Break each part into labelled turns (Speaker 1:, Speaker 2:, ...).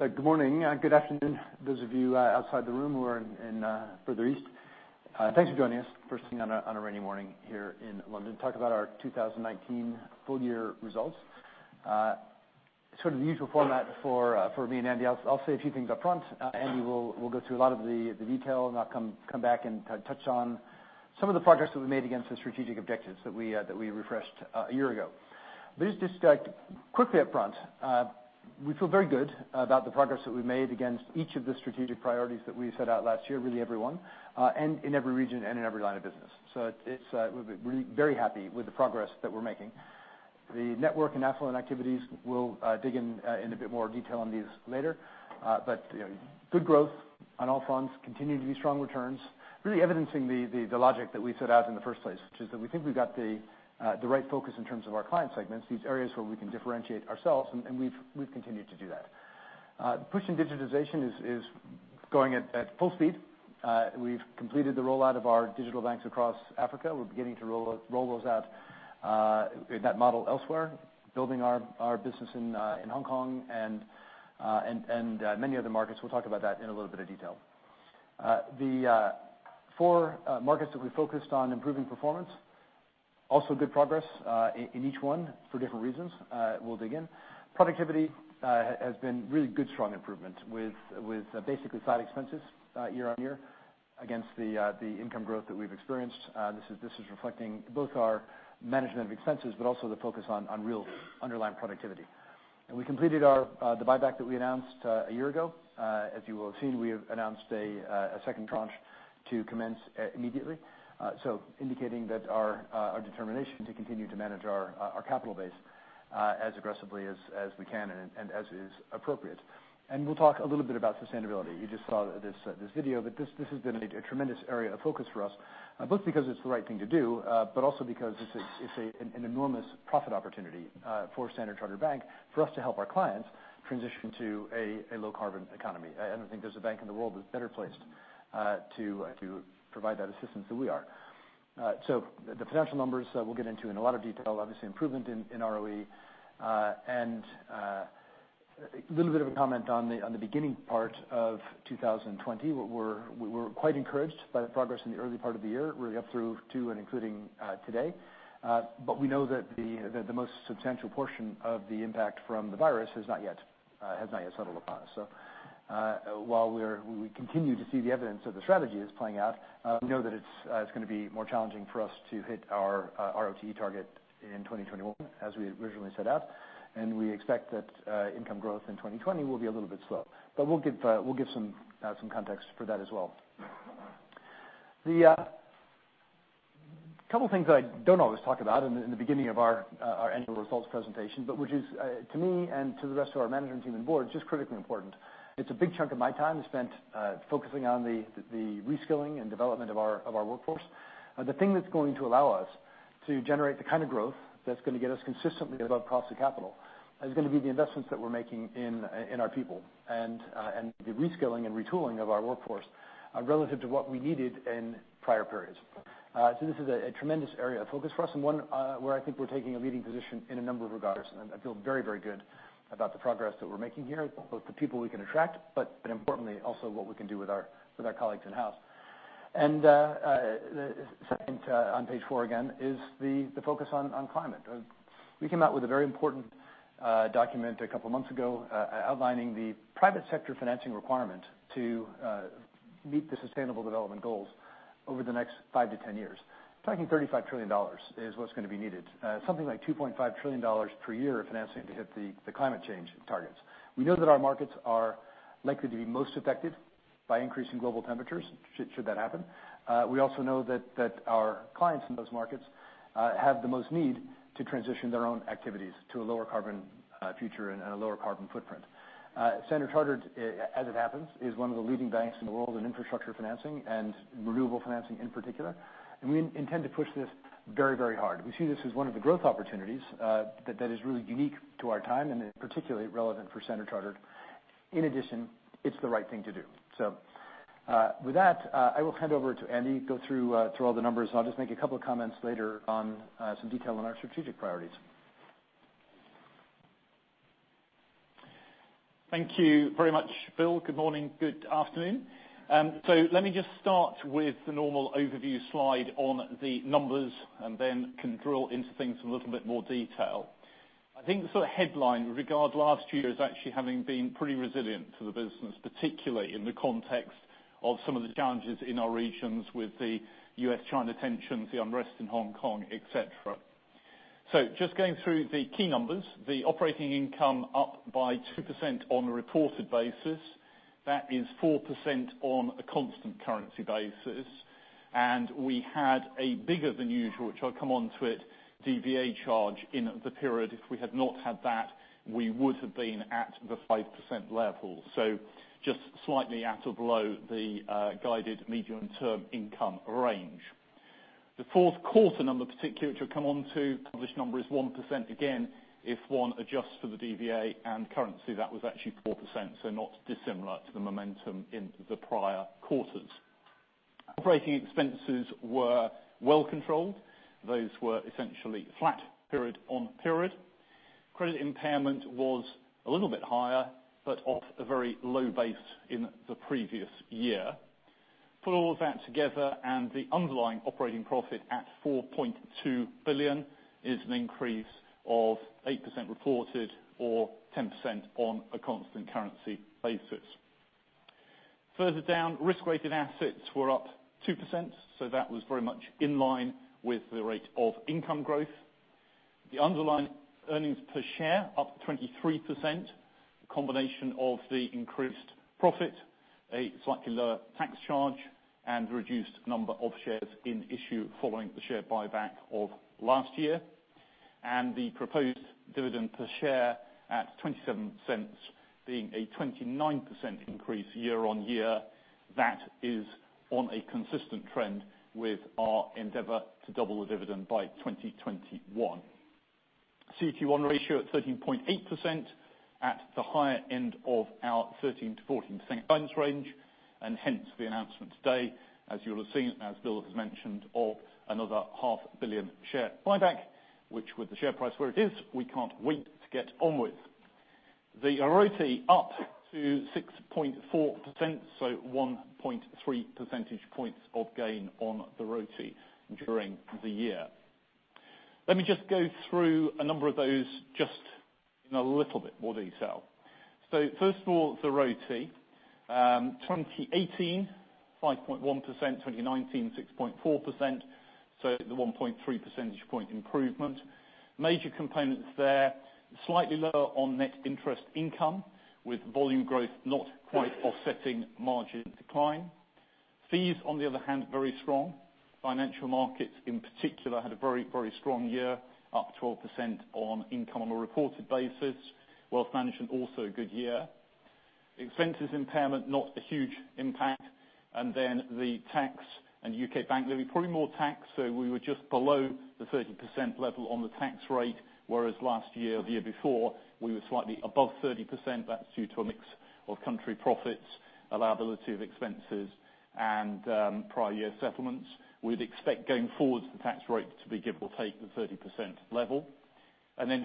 Speaker 1: Good morning. Good afternoon, those of you outside the room who are further east. Thanks for joining us first thing on a rainy morning here in London to talk about our 2019 full-year results. Sort of the usual format for me and Andy. I'll say a few things up front. Andy will go through a lot of the detail and I'll come back and touch on some of the progress that we've made against the strategic objectives that we refreshed a year ago. Just quickly up front, we feel very good about the progress that we've made against each of the strategic priorities that we set out last year, really every one, and in every region and in every line of business. We're very happy with the progress that we're making. The network and affluent activities, we'll dig in a bit more detail on these later. Good growth on all fronts, continued to be strong returns, really evidencing the logic that we set out in the first place, which is that we think we've got the right focus in terms of our client segments, these areas where we can differentiate ourselves, and we've continued to do that. Push in digitization is going at full speed. We've completed the rollout of our digital banks across Africa. We're beginning to roll those out in that model elsewhere, building our business in Hong Kong and many other markets. We'll talk about that in a little bit of detail. The four markets that we focused on improving performance, also good progress, in each one for different reasons. We'll dig in. Productivity has been really good, strong improvements with basically flat expenses year-over-year against the income growth that we've experienced. This is reflecting both our management of expenses, but also the focus on real underlying productivity. We completed the buyback that we announced a year ago. As you will have seen, we have announced a second tranche to commence immediately. Indicating that our determination to continue to manage our capital base as aggressively as we can and as is appropriate. We'll talk a little bit about sustainability. You just saw this video, but this has been a tremendous area of focus for us, both because it's the right thing to do, but also because it's an enormous profit opportunity for Standard Chartered Bank for us to help our clients transition to a low-carbon economy. I don't think there's a bank in the world that's better placed to provide that assistance than we are. The financial numbers we'll get into in a lot of detail, obviously improvement in ROE. A little bit of a comment on the beginning part of 2020. We were quite encouraged by the progress in the early part of the year, really up through to and including today. We know that the most substantial portion of the impact from the virus has not yet settled upon us. While we continue to see the evidence of the strategy is playing out, we know that it's going to be more challenging for us to hit our RoTE target in 2021 as we originally set out, and we expect that income growth in 2020 will be a little bit slow. We'll give some context for that as well. The couple things that I don't always talk about in the beginning of our annual results presentation, but which is, to me and to the rest of our management team and board, just critically important. It's a big chunk of my time is spent focusing on the reskilling and development of our workforce. The thing that's going to allow us to generate the kind of growth that's going to get us consistently above cost of capital is going to be the investments that we're making in our people and the reskilling and retooling of our workforce relative to what we needed in prior periods. This is a tremendous area of focus for us and one where I think we're taking a leading position in a number of regards, and I feel very, very good about the progress that we're making here, both the people we can attract, but importantly also what we can do with our colleagues in-house. The second, on page four again, is the focus on climate. We came out with a very important document a couple of months ago outlining the private sector financing requirement to meet the Sustainable Development Goals over the next five to 10 years. Talking $35 trillion is what's going to be needed. Something like $2.5 trillion per year of financing to hit the climate change targets. We know that our markets are likely to be most affected by increasing global temperatures, should that happen. We also know that our clients in those markets have the most need to transition their own activities to a lower carbon future and a lower carbon footprint. Standard Chartered, as it happens, is one of the leading banks in the world in infrastructure financing and renewable financing in particular, and we intend to push this very, very hard. We see this as one of the growth opportunities that is really unique to our time and particularly relevant for Standard Chartered. In addition, it's the right thing to do. With that, I will hand over to Andy, go through all the numbers. I'll just make a couple of comments later on some detail on our strategic priorities.
Speaker 2: Thank you very much, Bill. Good morning, good afternoon. Let me just start with the normal overview slide on the numbers and then can drill into things in a little bit more detail. I think the sort of headline with regard to last year is actually having been pretty resilient for the business, particularly in the context of some of the challenges in our regions with the US-China tensions, the unrest in Hong Kong, et cetera. Just going through the key numbers. The operating income up by 2% on a reported basis. That is 4% on a constant currency basis. We had a bigger than usual, which I'll come on to it, DVA charge in the period. If we had not had that, we would have been at the 5% level. Just slightly at or below the guided medium-term income range. The fourth quarter number particularly, which I will come on to, this number is 1%. If one adjusts for the DVA and currency, that was actually 4%, not dissimilar to the momentum in the prior quarters. Operating expenses were well controlled. Those were essentially flat period on period. Credit impairment was a little bit higher, but off a very low base in the previous year. Put all that together, the underlying operating profit at $4.2 billion is an increase of 8% reported or 10% on a constant currency basis. Further down, risk-weighted assets were up 2%, that was very much in line with the rate of income growth. The underlying earnings per share up 23%, a combination of the increased profit, a slightly lower tax charge, and reduced number of shares in issue following the share buyback of last year. The proposed dividend per share at $0.27 being a 29% increase year-on-year. That is on a consistent trend with our endeavor to double the dividend by 2021. CET1 ratio at 13.8% at the higher end of our 13%-14% guidance range, and hence the announcement today, as you'll have seen, as Bill has mentioned, of another 500 million share buyback, which with the share price where it is, we can't wait to get onwards. The RoTE up to 6.4%, so 1.3 percentage points of gain on the RoTE during the year. Let me just go through a number of those just in a little bit more detail. First of all, the RoTE. 2018, 5.1%. 2019, 6.4%, so the 1.3 percentage point improvement. Major components there, slightly lower on net interest income, with volume growth not quite offsetting margin decline. Fees, on the other hand, very strong. Financial markets in particular, had a very strong year, up 12% on income on a reported basis. Wealth management also a good year. Expenses impairment, not a huge impact. The tax and U.K. bank levy, probably more tax, so we were just below the 30% level on the tax rate, whereas last year or the year before, we were slightly above 30%. That's due to a mix of country profits, allowability of expenses, and prior year settlements. We'd expect going forward the tax rate to be give or take the 30% level.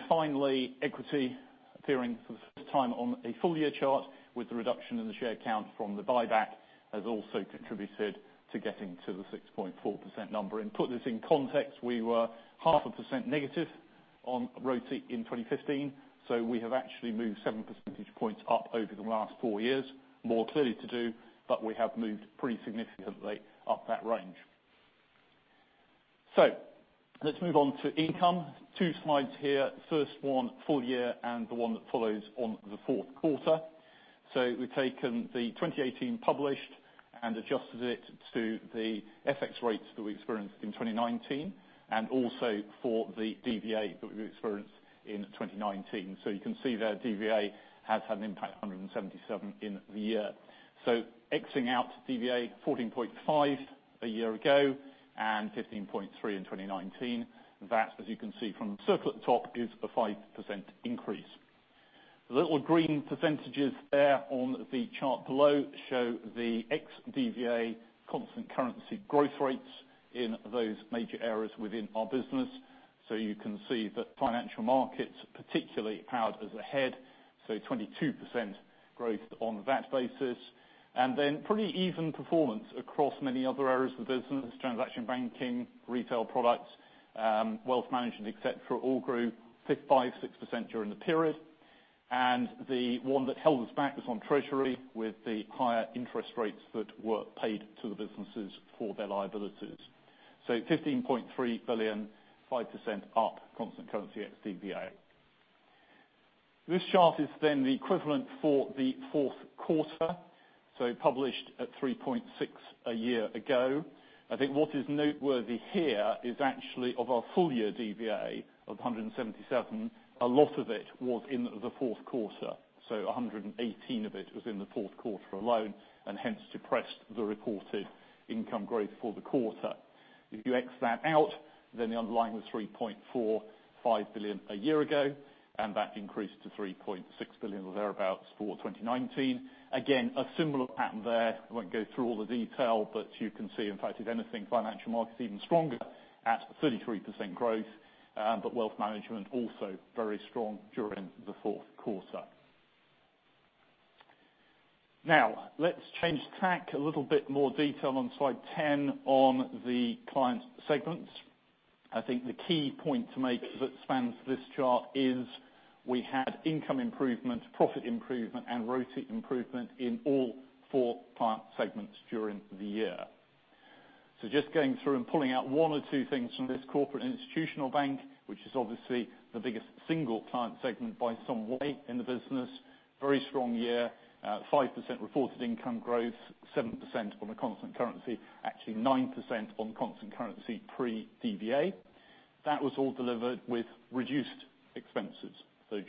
Speaker 2: Finally, equity appearing for the first time on a full-year chart with the reduction in the share count from the buyback has also contributed to getting to the 6.4% number. Put this in context, we were half a percent negative on RoTE in 2015, so we have actually moved 7 percentage points up over the last four years. More clearly to do, but we have moved pretty significantly up that range. Let's move on to income. Two slides here. First one, full year, and the one that follows on the fourth quarter. We've taken the 2018 published and adjusted it to the FX rates that we experienced in 2019, and also for the DVA that we've experienced in 2019. You can see there, DVA has had an impact, $177 in the year. Exiting out DVA $14.5 a year ago and $15.3 in 2019. That, as you can see from the circle at the top, is a 5% increase. The little green percentages there on the chart below show the ex DVA constant currency growth rates in those major areas within our business. You can see that financial markets particularly powered us ahead, 22% growth on that basis. Pretty even performance across many other areas of the business. Transaction banking, retail products, wealth management, et cetera, all grew 5%, 6% during the period. The one that held us back was on treasury with the higher interest rates that were paid to the businesses for their liabilities. 15.3 billion, 5% up constant currency ex DVA. This chart is the equivalent for the fourth quarter, published at 3.6 a year ago. I think what is noteworthy here is actually of our full-year DVA of $177 million, a lot of it was in the fourth quarter. $118 of it was in the fourth quarter alone, and hence depressed the reported income growth for the quarter. If you ex that out, the underlying was $3.45 billion a year ago, and that increased to $3.6 billion or thereabouts for 2019. Again, a similar pattern there. I won't go through all the detail, you can see, in fact, if anything, financial markets even stronger at 33% growth, but wealth management also very strong during the fourth quarter. Now, let's change tack. A little bit more detail on slide 10 on the client segments. I think the key point to make that spans this chart is we had income improvement, profit improvement, and RoTE improvement in all four client segments during the year. Just going through and pulling out one or two things from this corporate institutional bank, which is obviously the biggest single client segment by some way in the business. Very strong year. 5% reported income growth, 7% on a constant currency. Actually 9% on constant currency pre DVA. That was all delivered with reduced expenses.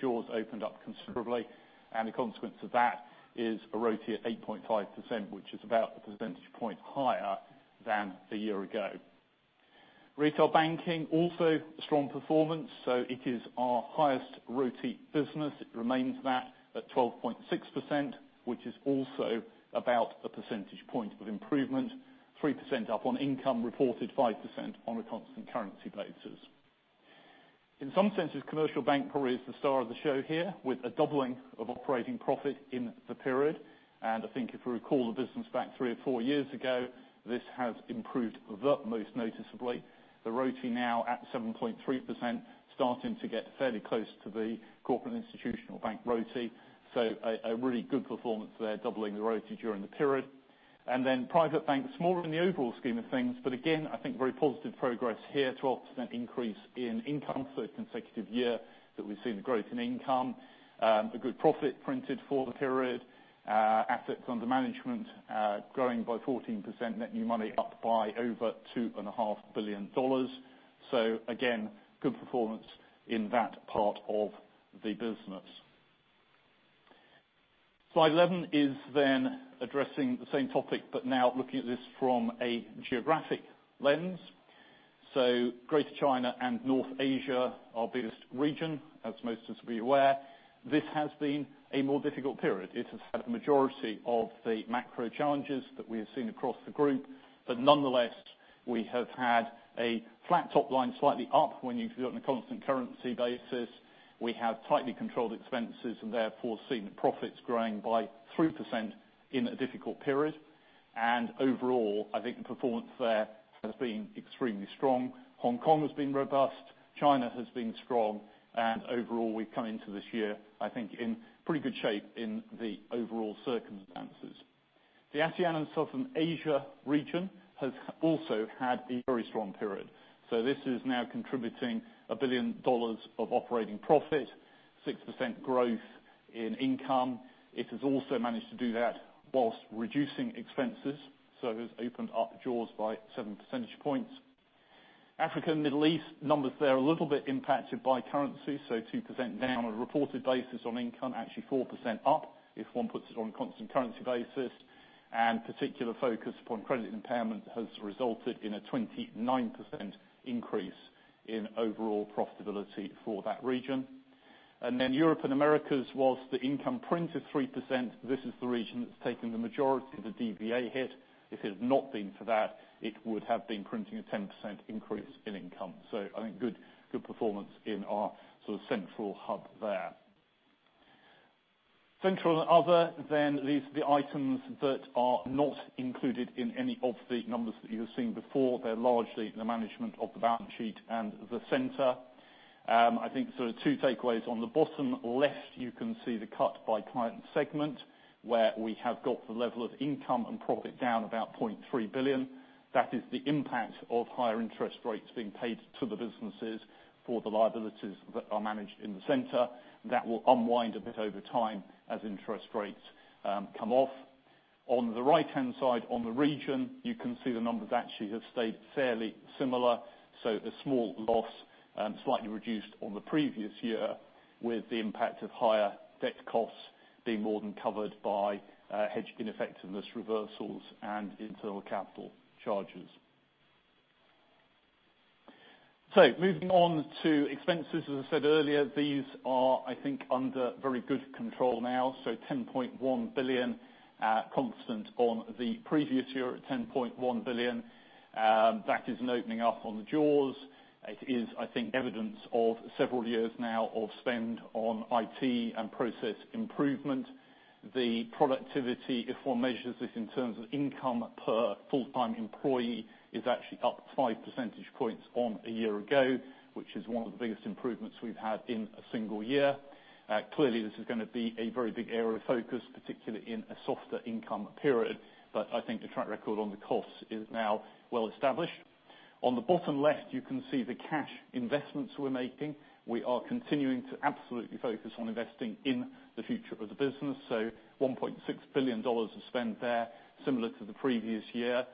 Speaker 2: Jaws opened up considerably, and the consequence of that is a RoTE of 8.5%, which is about 1 percentage point higher than a year ago. Retail banking also strong performance. It is our highest RoTE business. It remains that at 12.6%, which is also about 1 percentage point of improvement, 3% up on income, reported 5% on a constant currency basis. In some senses, commercial bank probably is the star of the show here, with a doubling of operating profit in the period. I think if we recall the business back three or four years ago, this has improved the most noticeably. The RoTE now at 7.3%, starting to get fairly close to the corporate institutional bank RoTE. A really good performance there, doubling the RoTE during the period. Private bank, smaller in the overall scheme of things, but again, I think very positive progress here, 12% increase in income for the consecutive year that we've seen the growth in income. A good profit printed for the period. Assets under management growing by 14%, net new money up by over $2.5 billion. Again, good performance in that part of the business. Slide 11 is addressing the same topic, but now looking at this from a geographic lens. Greater China and North Asia, our biggest region, as most of us will be aware, this has been a more difficult period. It has had the majority of the macro challenges that we have seen across the group. Nonetheless, we have had a flat top line, slightly up when you view it on a constant currency basis. We have tightly controlled expenses and therefore seen profits growing by 3% in a difficult period. Overall, I think the performance there has been extremely strong. Hong Kong has been robust. China has been strong. Overall, we've come into this year, I think, in pretty good shape in the overall circumstances. The ASEAN and Southern Asia region has also had a very strong period. This is now contributing $1 billion of operating profit, 6% growth in income. It has also managed to do that whilst reducing expenses, so has opened up jaws by 7 percentage points. Africa and Middle East numbers there are a little bit impacted by currency, so 2% down on a reported basis on income, actually 4% up if one puts it on a constant currency basis. Particular focus upon credit impairment has resulted in a 29% increase in overall profitability for that region. Europe and Americas, whilst the income print is 3%, this is the region that's taken the majority of the DVA hit. If it had not been for that, it would have been printing a 10% increase in income. I think good performance in our central hub there. Central and other then leads to the items that are not included in any of the numbers that you have seen before. They're largely the management of the balance sheet and the center. I think there are two takeaways. On the bottom left, you can see the cut by client segment, where we have got the level of income and profit down about $0.3 billion. That is the impact of higher interest rates being paid to the businesses for the liabilities that are managed in the center. That will unwind a bit over time as interest rates come off. The right-hand side on the region, you can see the numbers actually have stayed fairly similar. A small loss, slightly reduced on the previous year, with the impact of higher debt costs being more than covered by hedge ineffectiveness reversals and internal capital charges. Moving on to expenses. As I said earlier, these are, I think, under very good control now. $10.1 billion constant on the previous year at $10.1 billion. That is an opening up on the jaws. It is, I think, evidence of several years now of spend on IT and process improvement. The productivity, if one measures this in terms of income per full-time employee, is actually up 5 percentage points on a year ago, which is one of the biggest improvements we've had in a single year. Clearly, this is going to be a very big area of focus, particularly in a softer income period. I think the track record on the costs is now well established. On the bottom left, you can see the cash investments we're making. We are continuing to absolutely focus on investing in the future of the business. 1.6 billion of spend there, similar to the previous year.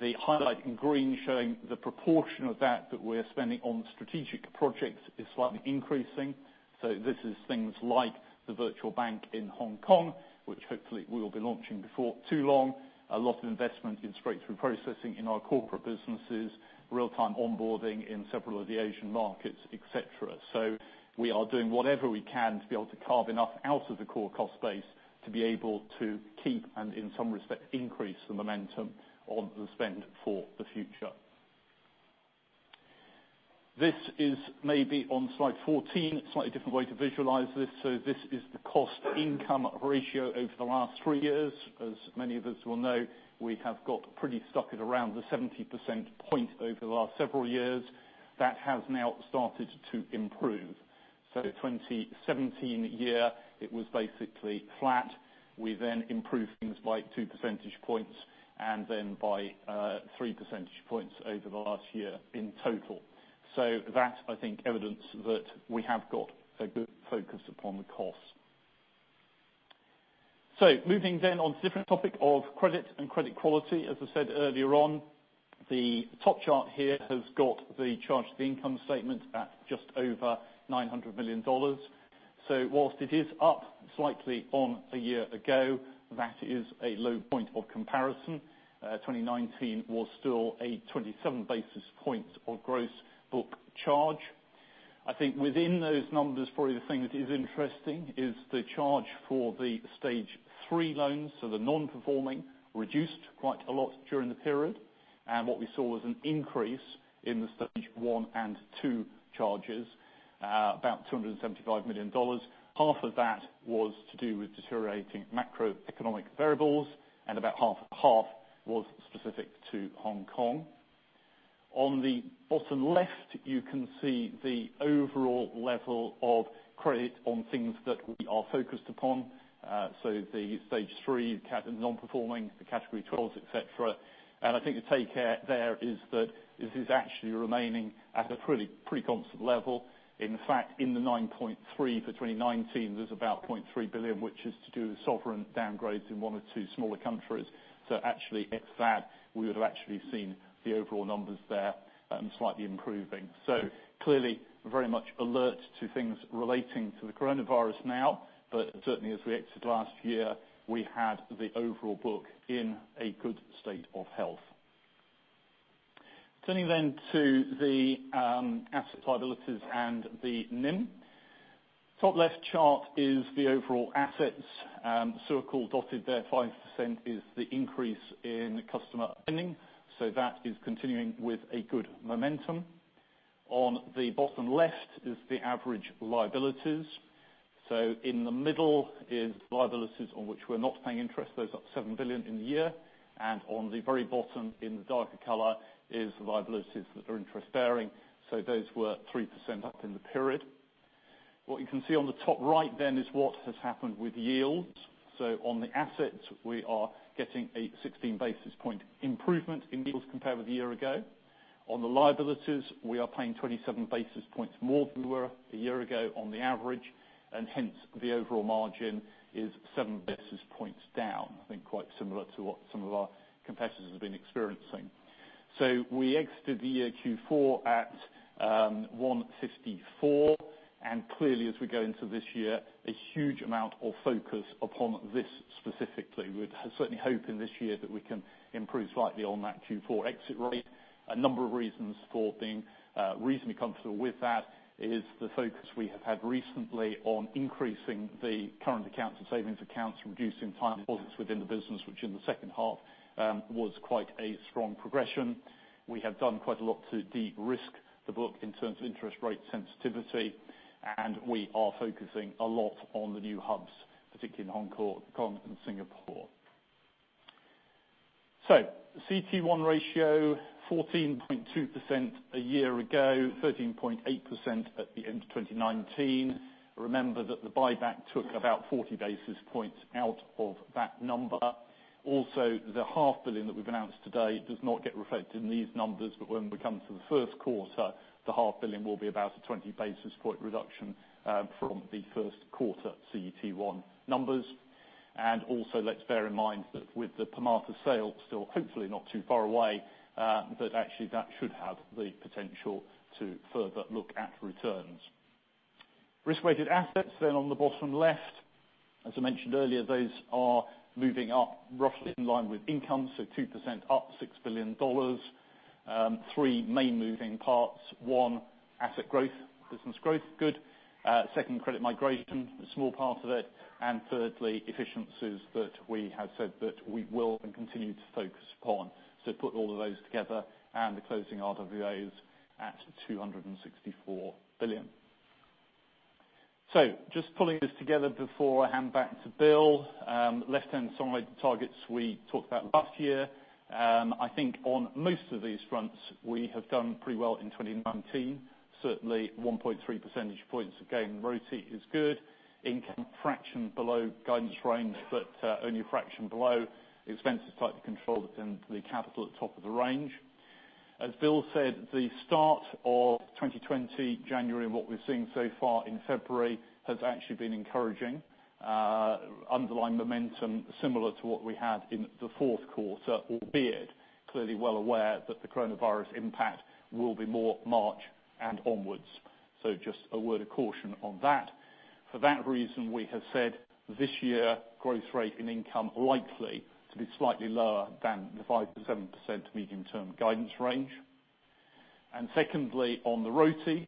Speaker 2: The highlight in green showing the proportion of that that we're spending on strategic projects is slightly increasing. This is things like the virtual bank in Hong Kong, which hopefully we will be launching before too long. A lot of investment in straight-through processing in our corporate businesses, real-time onboarding in several of the Asian markets, et cetera. We are doing whatever we can to be able to carve enough out of the core cost base to be able to keep and, in some respects, increase the momentum on the spend for the future. This is maybe on slide 14, slightly different way to visualize this. This is the cost income ratio over the last three years. As many of us will know, we have got pretty stuck at around the 70% point over the last several years. That has now started to improve. The 2017 year, it was basically flat. We improved things by 2 percentage points and then by 3 percentage points over the last year in total. That's, I think, evidence that we have got a good focus upon the costs. Moving on to a different topic of credit and credit quality. As I said earlier on, the top chart here has got the charge to the income statement at just over $900 million. Whilst it is up slightly on a year ago, that is a low point of comparison. 2019 was still a 27 basis point of gross book charge. I think within those numbers, probably the thing that is interesting is the charge for the stage 3 loans, so the non-performing, reduced quite a lot during the period. What we saw was an increase in the stage 1 and 2 charges, about $275 million. Half of that was to do with deteriorating macroeconomic variables, and about half was specific to Hong Kong. On the bottom left, you can see the overall level of credit on things that we are focused upon. The stage 3, the non-performing, the category 12s, et cetera. I think the take there is that this is actually remaining at a pretty constant level. In fact, in the 9.3 for 2019, there's about $0.3 billion, which is to do with sovereign downgrades in one or two smaller countries. Actually, if that, we would have actually seen the overall numbers there slightly improving. Clearly very much alert to things relating to the coronavirus now, but certainly as we exited last year, we had the overall book in a good state of health. Turning to the asset liabilities and the NIM. Top left chart is the overall assets. Circle dotted there, 5% is the increase in customer opening. That is continuing with a good momentum. On the bottom left is the average liabilities. In the middle is liabilities on which we're not paying interest. Those are up $7 billion in the year. On the very bottom in the darker color is the liabilities that are interest-bearing. Those were 3% up in the period. What you can see on the top right is what has happened with yields. On the assets, we are getting a 16 basis point improvement in yields compared with a year ago. On the liabilities, we are paying 27 basis points more than we were a year ago on the average. Hence the overall margin is 7 basis points down. I think quite similar to what some of our competitors have been experiencing. We exited the year Q4 at 154. Clearly as we go into this year, a huge amount of focus upon this specifically. We certainly hope in this year that we can improve slightly on that Q4 exit rate. A number of reasons for being reasonably comfortable with that is the focus we have had recently on increasing the current accounts and savings accounts, reducing time deposits within the business, which in the second half, was quite a strong progression. We have done quite a lot to de-risk the book in terms of interest rate sensitivity, and we are focusing a lot on the new hubs, particularly in Hong Kong and Singapore. CET1 ratio, 14.2% a year ago, 13.8% at the end of 2019. Remember that the buyback took about 40 basis points out of that number. The 500 million that we've announced today does not get reflected in these numbers. When we come to the first quarter, the 500 million will be about a 20 basis point reduction from the first quarter CET1 numbers. Let's bear in mind that with the Permata sale still hopefully not too far away, that actually that should have the potential to further look at returns. Risk-weighted assets on the bottom left, as I mentioned earlier, those are moving up roughly in line with income. 2% up, $6 billion. Three main moving parts. One, asset growth, business growth, good. Second, credit migration, a small part of it. Thirdly, efficiencies that we have said that we will and continue to focus upon. Put all of those together and the closing RWA is at $264 billion. Just pulling this together before I hand back to Bill. Left-hand side targets we talked about last year. I think on most of these fronts, we have done pretty well in 2019. Certainly 1.3 percentage points of gain in ROTCE is good. Income fraction below guidance range, but only a fraction below. Expenses tightly controlled and the capital at the top of the range. As Bill said, the start of 2020, January, and what we're seeing so far in February, has actually been encouraging. Underlying momentum similar to what we had in the fourth quarter, albeit clearly well aware that the coronavirus impact will be more March and onwards. Just a word of caution on that. For that reason, we have said this year growth rate and income likely to be slightly lower than the 5%-7% medium-term guidance range. Secondly, on the RoTE,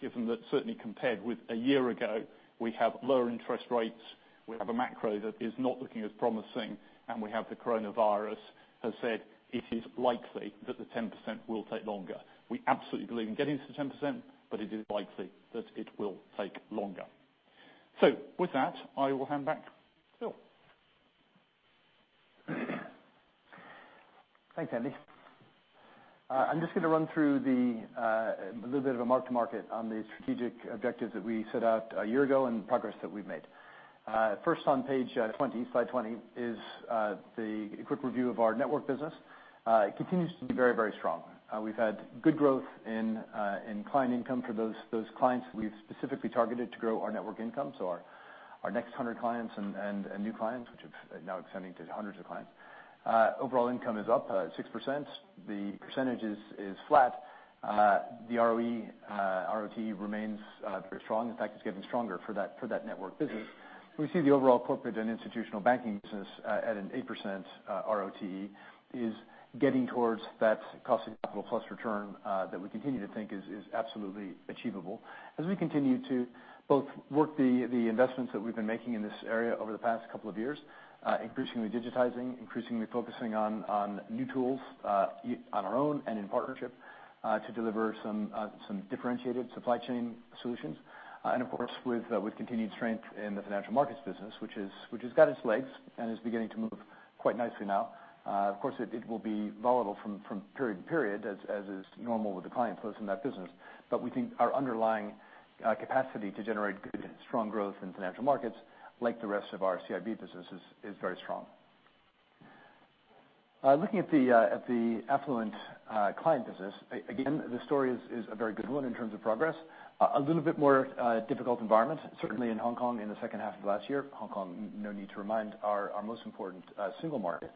Speaker 2: given that certainly compared with a year ago, we have lower interest rates, we have a macro that is not looking as promising, and we have the coronavirus, have said it is likely that the 10% will take longer. We absolutely believe in getting to 10%, but it is likely that it will take longer. With that, I will hand back to Bill.
Speaker 1: Thanks, Andy. I'm just going to run through a little bit of a mark to market on the strategic objectives that we set out a year ago and the progress that we've made. First on page 20, slide 20, is the quick review of our network business. It continues to be very, very strong. We've had good growth in client income for those clients we've specifically targeted to grow our network income. Our next 100 clients and new clients, which are now extending to hundreds of clients. Overall income is up 6%. The percentage is flat. The ROE, RoTE remains very strong. In fact, it's getting stronger for that network business. We see the overall corporate and institutional banking business at an 8% RoTE is getting towards that cost of capital plus return that we continue to think is absolutely achievable as we continue to both work the investments that we've been making in this area over the past couple of years, increasingly digitizing, increasingly focusing on new tools, on our own and in partnership, to deliver some differentiated supply chain solutions. Of course, with continued strength in the financial markets business, which has got its legs and is beginning to move quite nicely now. Of course, it will be volatile from period to period, as is normal with the client flows in that business. We think our underlying capacity to generate good, strong growth in financial markets, like the rest of our CIB businesses, is very strong. Looking at the Affluent Client Business, again, the story is a very good one in terms of progress. A little bit more difficult environment, certainly in Hong Kong in the second half of last year. Hong Kong, no need to remind, our most important single market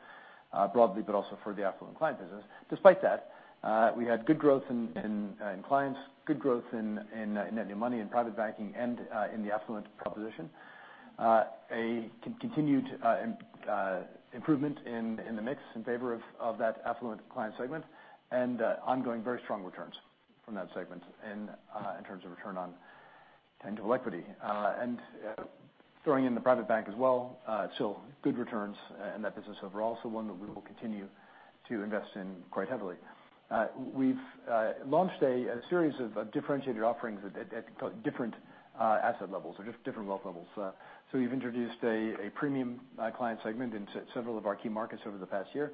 Speaker 1: broadly, but also for the Affluent Client Business. Despite that, we had good growth in clients, good growth in net new money in Private Banking and in the Affluent Proposition. A continued improvement in the mix in favor of that Affluent Client Segment, and ongoing very strong returns from that segment in terms of Return on Tangible Equity. Throwing in the Private Bank as well, still good returns in that business overall, one that we will continue to invest in quite heavily. We've launched a series of differentiated offerings at different asset levels or different wealth levels. We've introduced a premium client segment in several of our key markets over the past year.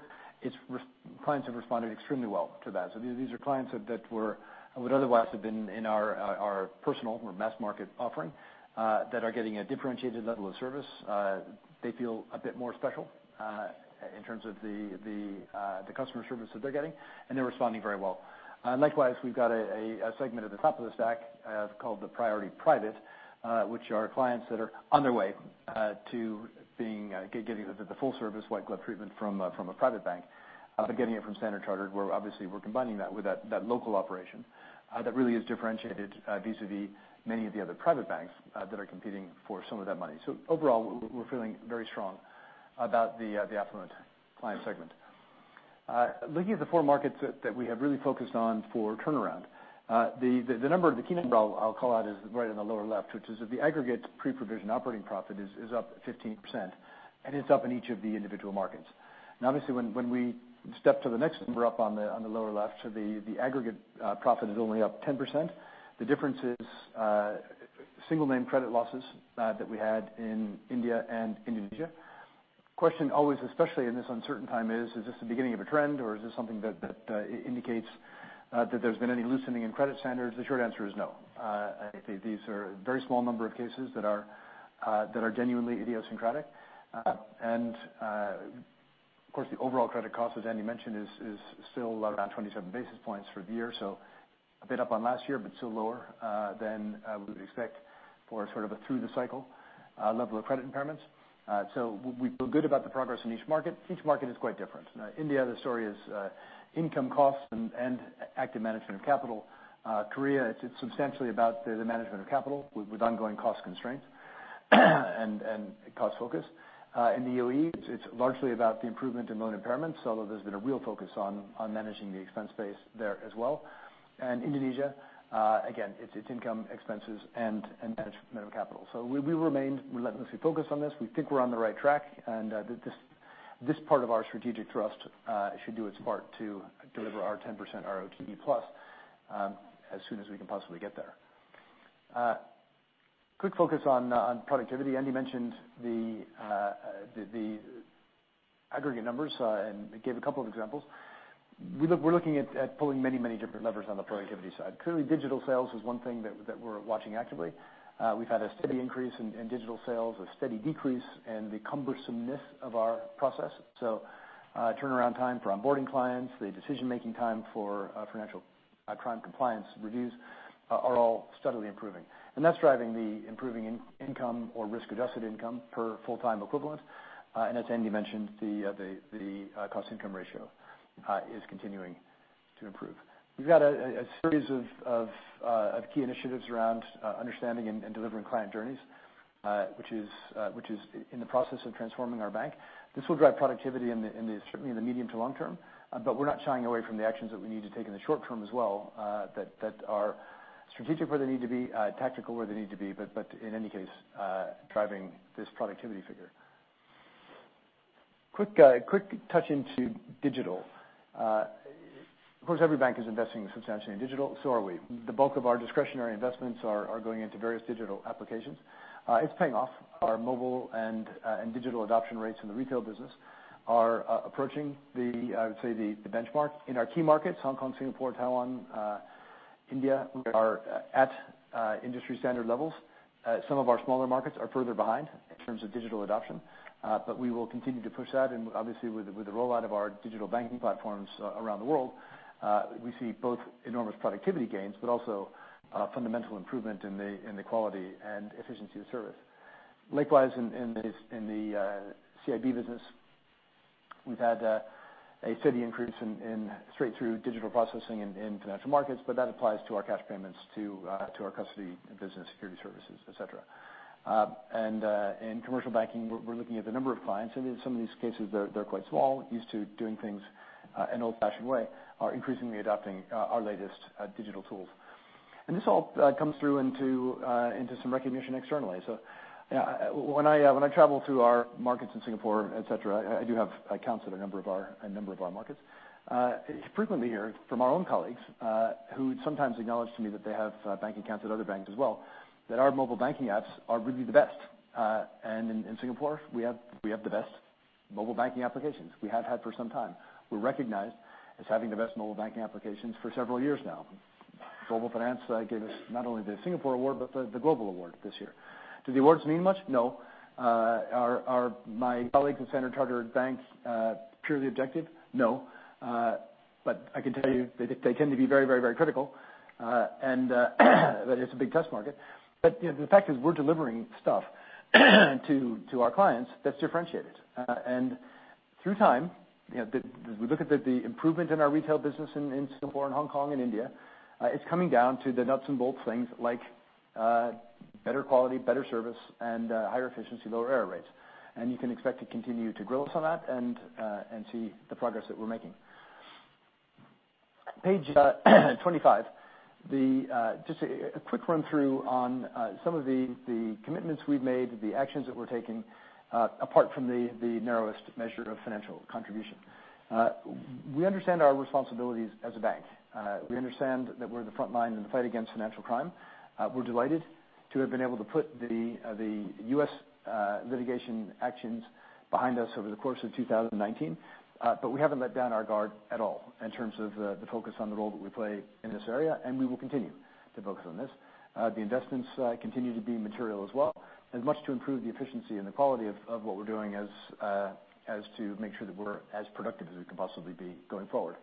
Speaker 1: Clients have responded extremely well to that. These are clients that would otherwise have been in our personal or mass market offering that are getting a differentiated level of service. They feel a bit more special, in terms of the customer service that they're getting, and they're responding very well. Likewise, we've got a segment at the top of the stack, called the Priority Private, which are clients that are on their way to getting the full-service white glove treatment from a private bank. Getting it from Standard Chartered, where obviously we're combining that with that local operation that really is differentiated vis-a-vis many of the other private banks that are competing for some of that money. Overall, we're feeling very strong about the affluent client segment. Looking at the four markets that we have really focused on for turnaround. The key number I'll call out is right on the lower left, which is that the aggregate pre-provision operating profit is up 15%, and it's up in each of the individual markets. Obviously, when we step to the next number up on the lower left, the aggregate profit is only up 10%. The difference is single name credit losses that we had in India and Indonesia. Question always, especially in this uncertain time, is this the beginning of a trend, or is this something that indicates that there's been any loosening in credit standards? The short answer is no. These are a very small number of cases that are genuinely idiosyncratic. Of course, the overall credit cost, as Andy mentioned, is still around 27 basis points for the year, a bit up on last year, but still lower than we would expect for a through the cycle level of credit impairments. We feel good about the progress in each market. Each market is quite different. India, the story is income costs and active management of capital. Korea, it's substantially about the management of capital with ongoing cost constraints and cost focus. In the U.A.E., it's largely about the improvement in loan impairments, although there's been a real focus on managing the expense base there as well. Indonesia, again, it's income expenses and management of capital. We remain relentlessly focused on this. We think we're on the right track, and that this part of our strategic thrust should do its part to deliver our 10% RoTE plus, as soon as we can possibly get there. Quick focus on productivity. Andy mentioned the aggregate numbers and gave a couple of examples. We're looking at pulling many different levers on the productivity side. Clearly, digital sales is one thing that we're watching actively. We've had a steady increase in digital sales, a steady decrease in the cumbersomeness of our process. Turnaround time for onboarding clients, the decision-making time for financial crime compliance reviews are all steadily improving. That's driving the improving income or risk-adjusted income per full-time equivalent. As Andy mentioned, the cost-income ratio is continuing to improve. We've got a series of key initiatives around understanding and delivering client journeys, which is in the process of transforming our bank. This will drive productivity certainly in the medium to long term, but we're not shying away from the actions that we need to take in the short term as well, that are strategic where they need to be, tactical where they need to be, in any case, driving this productivity figure. Quick touch into digital. Of course, every bank is investing substantially in digital. So are we. The bulk of our discretionary investments are going into various digital applications. It's paying off. Our mobile and digital adoption rates in the retail business are approaching the, I would say, the benchmark. In our key markets, Hong Kong, Singapore, Taiwan, India, we are at industry-standard levels. Some of our smaller markets are further behind. In terms of digital adoption, we will continue to push that. Obviously, with the rollout of our digital banking platforms around the world, we see both enormous productivity gains, but also fundamental improvement in the quality and efficiency of service. Likewise, in the CIB business, we've had a steady increase in straight-through digital processing in financial markets, but that applies to our cash payments to our custody business, security services, et cetera. In commercial banking, we're looking at the number of clients. In some of these cases, they're quite small, used to doing things an old-fashioned way, are increasingly adopting our latest digital tools. This all comes through into some recognition externally. When I travel to our markets in Singapore, et cetera, I do have accounts at a number of our markets. I frequently hear from our own colleagues, who sometimes acknowledge to me that they have banking accounts at other banks as well, that our mobile banking apps are really the best. In Singapore, we have the best mobile banking applications. We have had for some time. We're recognized as having the best mobile banking applications for several years now. Global Finance gave us not only the Singapore award, but the global award this year. Do the awards mean much? No. Are my colleagues in Standard Chartered banks purely objective? No. I can tell you that they tend to be very critical, and that it's a big test market. The fact is we're delivering stuff to our clients that's differentiated. Through time, as we look at the improvement in our retail business in Singapore and Hong Kong and India, it's coming down to the nuts and bolts things like better quality, better service, and higher efficiency, lower error rates. You can expect to continue to grill us on that and see the progress that we're making. Page 25. Just a quick run-through on some of the commitments we've made, the actions that we're taking, apart from the narrowest measure of financial contribution. We understand our responsibilities as a bank. We understand that we're the front line in the fight against financial crime. We're delighted to have been able to put the U.S. litigation actions behind us over the course of 2019. We haven't let down our guard at all in terms of the focus on the role that we play in this area, and we will continue to focus on this. The investments continue to be material as well, as much to improve the efficiency and the quality of what we're doing as to make sure that we're as productive as we can possibly be going forward.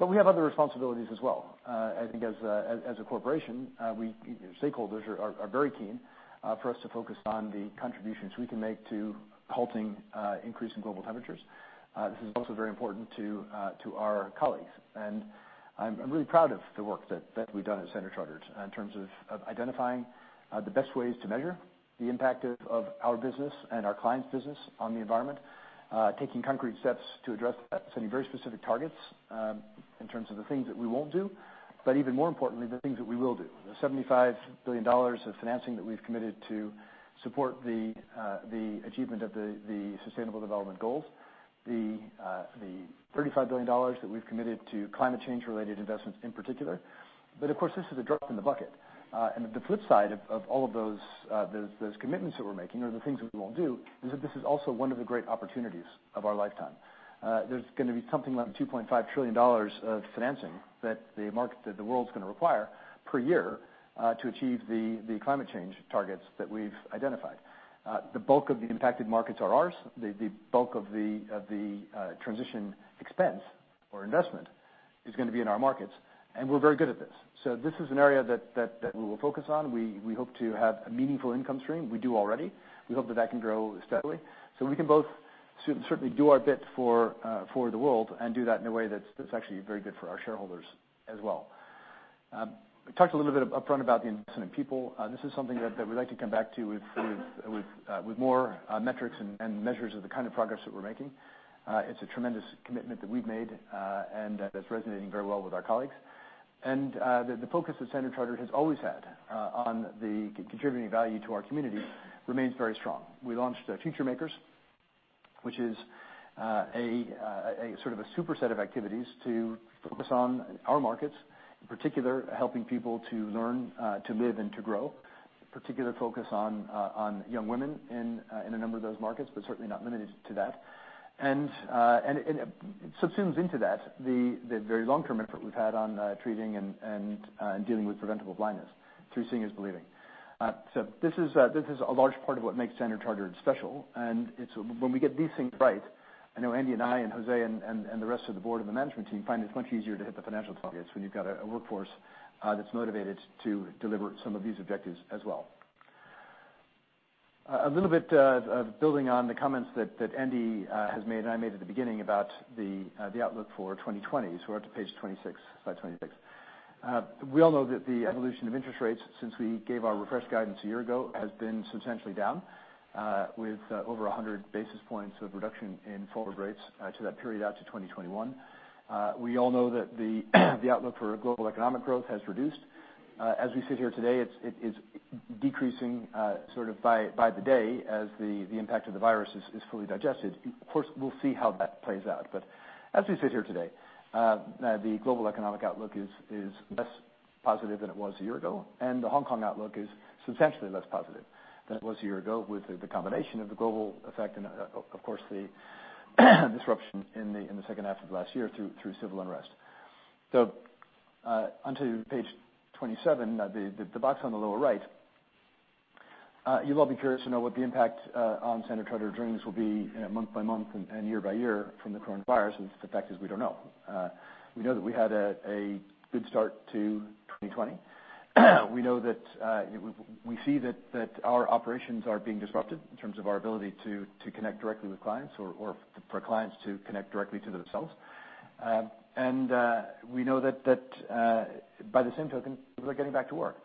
Speaker 1: We have other responsibilities as well. I think as a corporation, stakeholders are very keen for us to focus on the contributions we can make to halting increase in global temperatures. This is also very important to our colleagues. I'm really proud of the work that we've done at Standard Chartered in terms of identifying the best ways to measure the impact of our business and our clients' business on the environment, taking concrete steps to address that, setting very specific targets in terms of the things that we won't do, but even more importantly, the things that we will do. The GBP 75 billion of financing that we've committed to support the achievement of the Sustainable Development Goals, the GBP 35 billion that we've committed to climate change-related investments in particular. Of course, this is a drop in the bucket. The flip side of all of those commitments that we're making, or the things that we won't do, is that this is also one of the great opportunities of our lifetime. There's going to be something like $2.5 trillion of financing that the world's going to require per year to achieve the climate change targets that we've identified. The bulk of the impacted markets are ours. The bulk of the transition expense or investment is going to be in our markets, and we're very good at this. This is an area that we will focus on. We hope to have a meaningful income stream. We do already. We hope that that can grow steadily. We can both certainly do our bit for the world and do that in a way that's actually very good for our shareholders as well. I talked a little bit upfront about the investment in people. This is something that we'd like to come back to with more metrics and measures of the kind of progress that we're making. It's a tremendous commitment that we've made, and that's resonating very well with our colleagues. The focus that Standard Chartered has always had on the contributing value to our community remains very strong. We launched Futuremakers, which is a sort of a superset of activities to focus on our markets, in particular, helping people to learn, to live, and to grow. Particular focus on young women in a number of those markets, but certainly not limited to that. It subsumes into that the very long-term effort we've had on treating and dealing with preventable blindness through Seeing is Believing. This is a large part of what makes Standard Chartered special. When we get these things right, I know Andy and I and José and the rest of the board and the management team find it much easier to hit the financial targets when you've got a workforce that's motivated to deliver some of these objectives as well. A little bit of building on the comments that Andy has made and I made at the beginning about the outlook for 2020. We're up to page 26, slide 26. We all know that the evolution of interest rates since we gave our refresh guidance a year ago has been substantially down, with over 100 basis points of reduction in forward rates to that period out to 2021. We all know that the outlook for global economic growth has reduced. As we sit here today, it is decreasing by the day as the impact of the virus is fully digested. As we sit here today, the global economic outlook is less positive than it was a year ago, and the Hong Kong outlook is substantially less positive than it was a year ago with the combination of the global effect and, of course, the disruption in the second half of last year through civil unrest. On to page 27, the box on the lower right. You'll all be curious to know what the impact on Standard Chartered during this will be month by month and year by year from the coronavirus is. The fact is we don't know. We know that we had a good start to 2020. We see that our operations are being disrupted in terms of our ability to connect directly with clients or for clients to connect directly to themselves. We know that by the same token, people are getting back to work.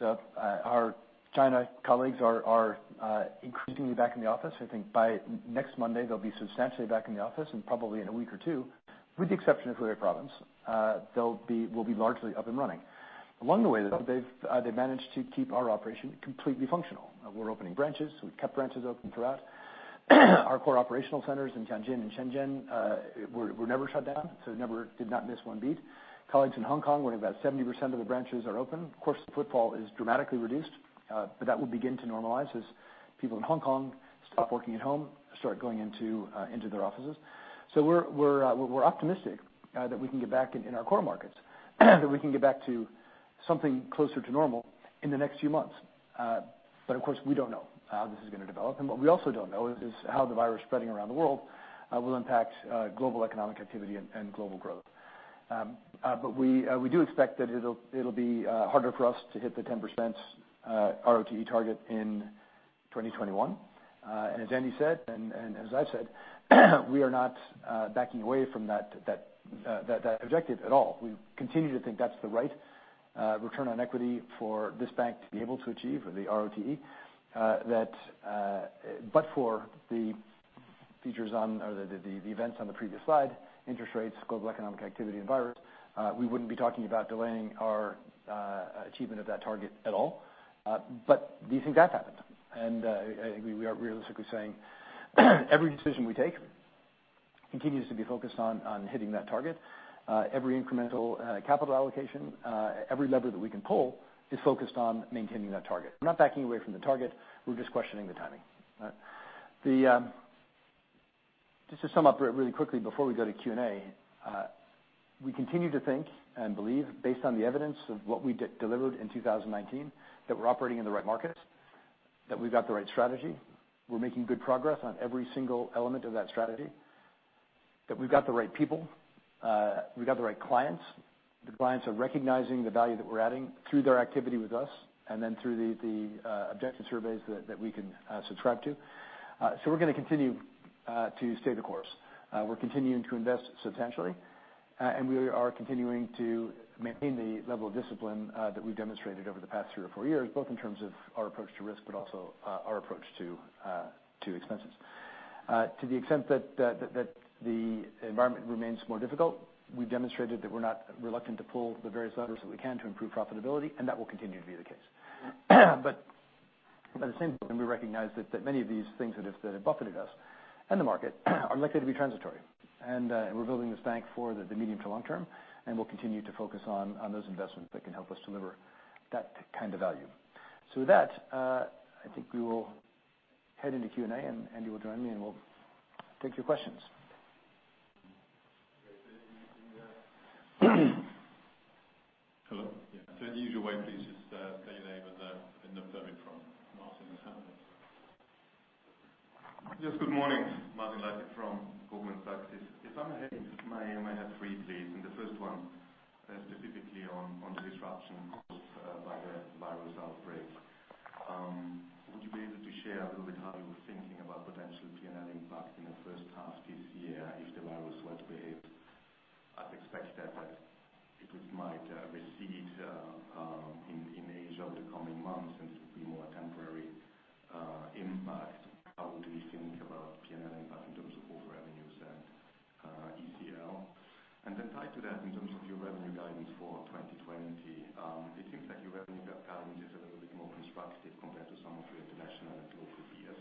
Speaker 1: Our China colleagues are increasingly back in the office. I think by next Monday, they'll be substantially back in the office and probably in a week or two, with the exception of Hubei Province, they'll be largely up and running. Along the way, though, they've managed to keep our operation completely functional. We're opening branches. We've kept branches open throughout. Our core operational centers in Tianjin and Shenzhen were never shut down, so did not miss one beat. Colleagues in Hong Kong, where about 70% of the branches are open. Of course, footfall is dramatically reduced. That will begin to normalize as people in Hong Kong stop working at home, start going into their offices. We're optimistic that we can get back in our core markets, that we can get back to something closer to normal in the next few months. Of course, we don't know how this is going to develop. What we also don't know is how the virus spreading around the world will impact global economic activity and global growth. We do expect that it'll be harder for us to hit the 10% RoTE target in 2021. As Andy said, and as I've said, we are not backing away from that objective at all. We continue to think that's the right return on equity for this bank to be able to achieve, or the RoTE. For the events on the previous slide, interest rates, global economic activity, and virus, we wouldn't be talking about delaying our achievement of that target at all. These things have happened, and we are realistically saying every decision we take continues to be focused on hitting that target. Every incremental capital allocation, every lever that we can pull is focused on maintaining that target. We're not backing away from the target. We're just questioning the timing. Just to sum up really quickly before we go to Q&A. We continue to think and believe, based on the evidence of what we delivered in 2019, that we're operating in the right markets, that we've got the right strategy. We're making good progress on every single element of that strategy. That we've got the right people, we've got the right clients. The clients are recognizing the value that we're adding through their activity with us and then through the objective surveys that we can subscribe to. We're going to continue to stay the course. We're continuing to invest substantially, and we are continuing to maintain the level of discipline that we've demonstrated over the past three or four years, both in terms of our approach to risk, but also our approach to expenses. To the extent that the environment remains more difficult, we've demonstrated that we're not reluctant to pull the various levers that we can to improve profitability, and that will continue to be the case. At the same time, we recognize that many of these things that have buffeted us and the market are likely to be transitory. We're building this bank for the medium to long term, and we'll continue to focus on those investments that can help us deliver that kind of value. With that, I think we will head into Q&A, and Andy will join me, and we'll take your questions.
Speaker 3: Hello? The usual way, please, is say your name and the firm you're from. Martin.
Speaker 4: Yes, good morning. Martin Leitgeb from Goldman Sachs. If I may, I have three, please. The first one specifically on the disruption caused by the virus outbreak. Would you be able to share a little bit how you were thinking about potential P&L impact in the first half this year if the virus were to behave as expected, that it might recede in Asia over the coming months and to be more temporary impact? How would we think about P&L impact in terms of core revenues and ECL? Tied to that, in terms of your revenue guidance for 2020, it seems like your revenue guidance is a little bit more constructive compared to some of your international and local peers.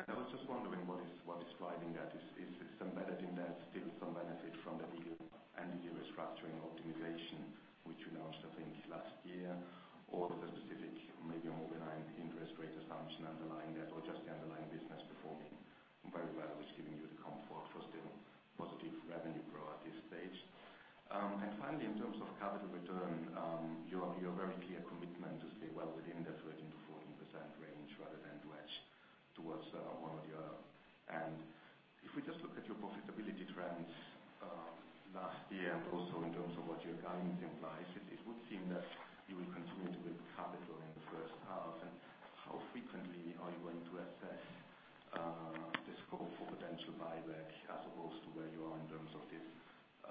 Speaker 4: I was just wondering what is driving that. Is it embedded in there still some benefit from the deal and the restructuring optimization, which you launched, I think, last year? The specific, maybe more benign interest rate assumption underlying that, or just the underlying business performing very well, which is giving you the comfort for still positive revenue growth at this stage? Finally, in terms of capital return, your very clear commitment to stay well within the 13%-14% range rather than wedge towards one or the other. If we just look at your profitability trends last year and also in terms of what your guidance implies, it would seem that you will continue to build capital in the first half. How frequently are you going to assess the scope for potential buyback as opposed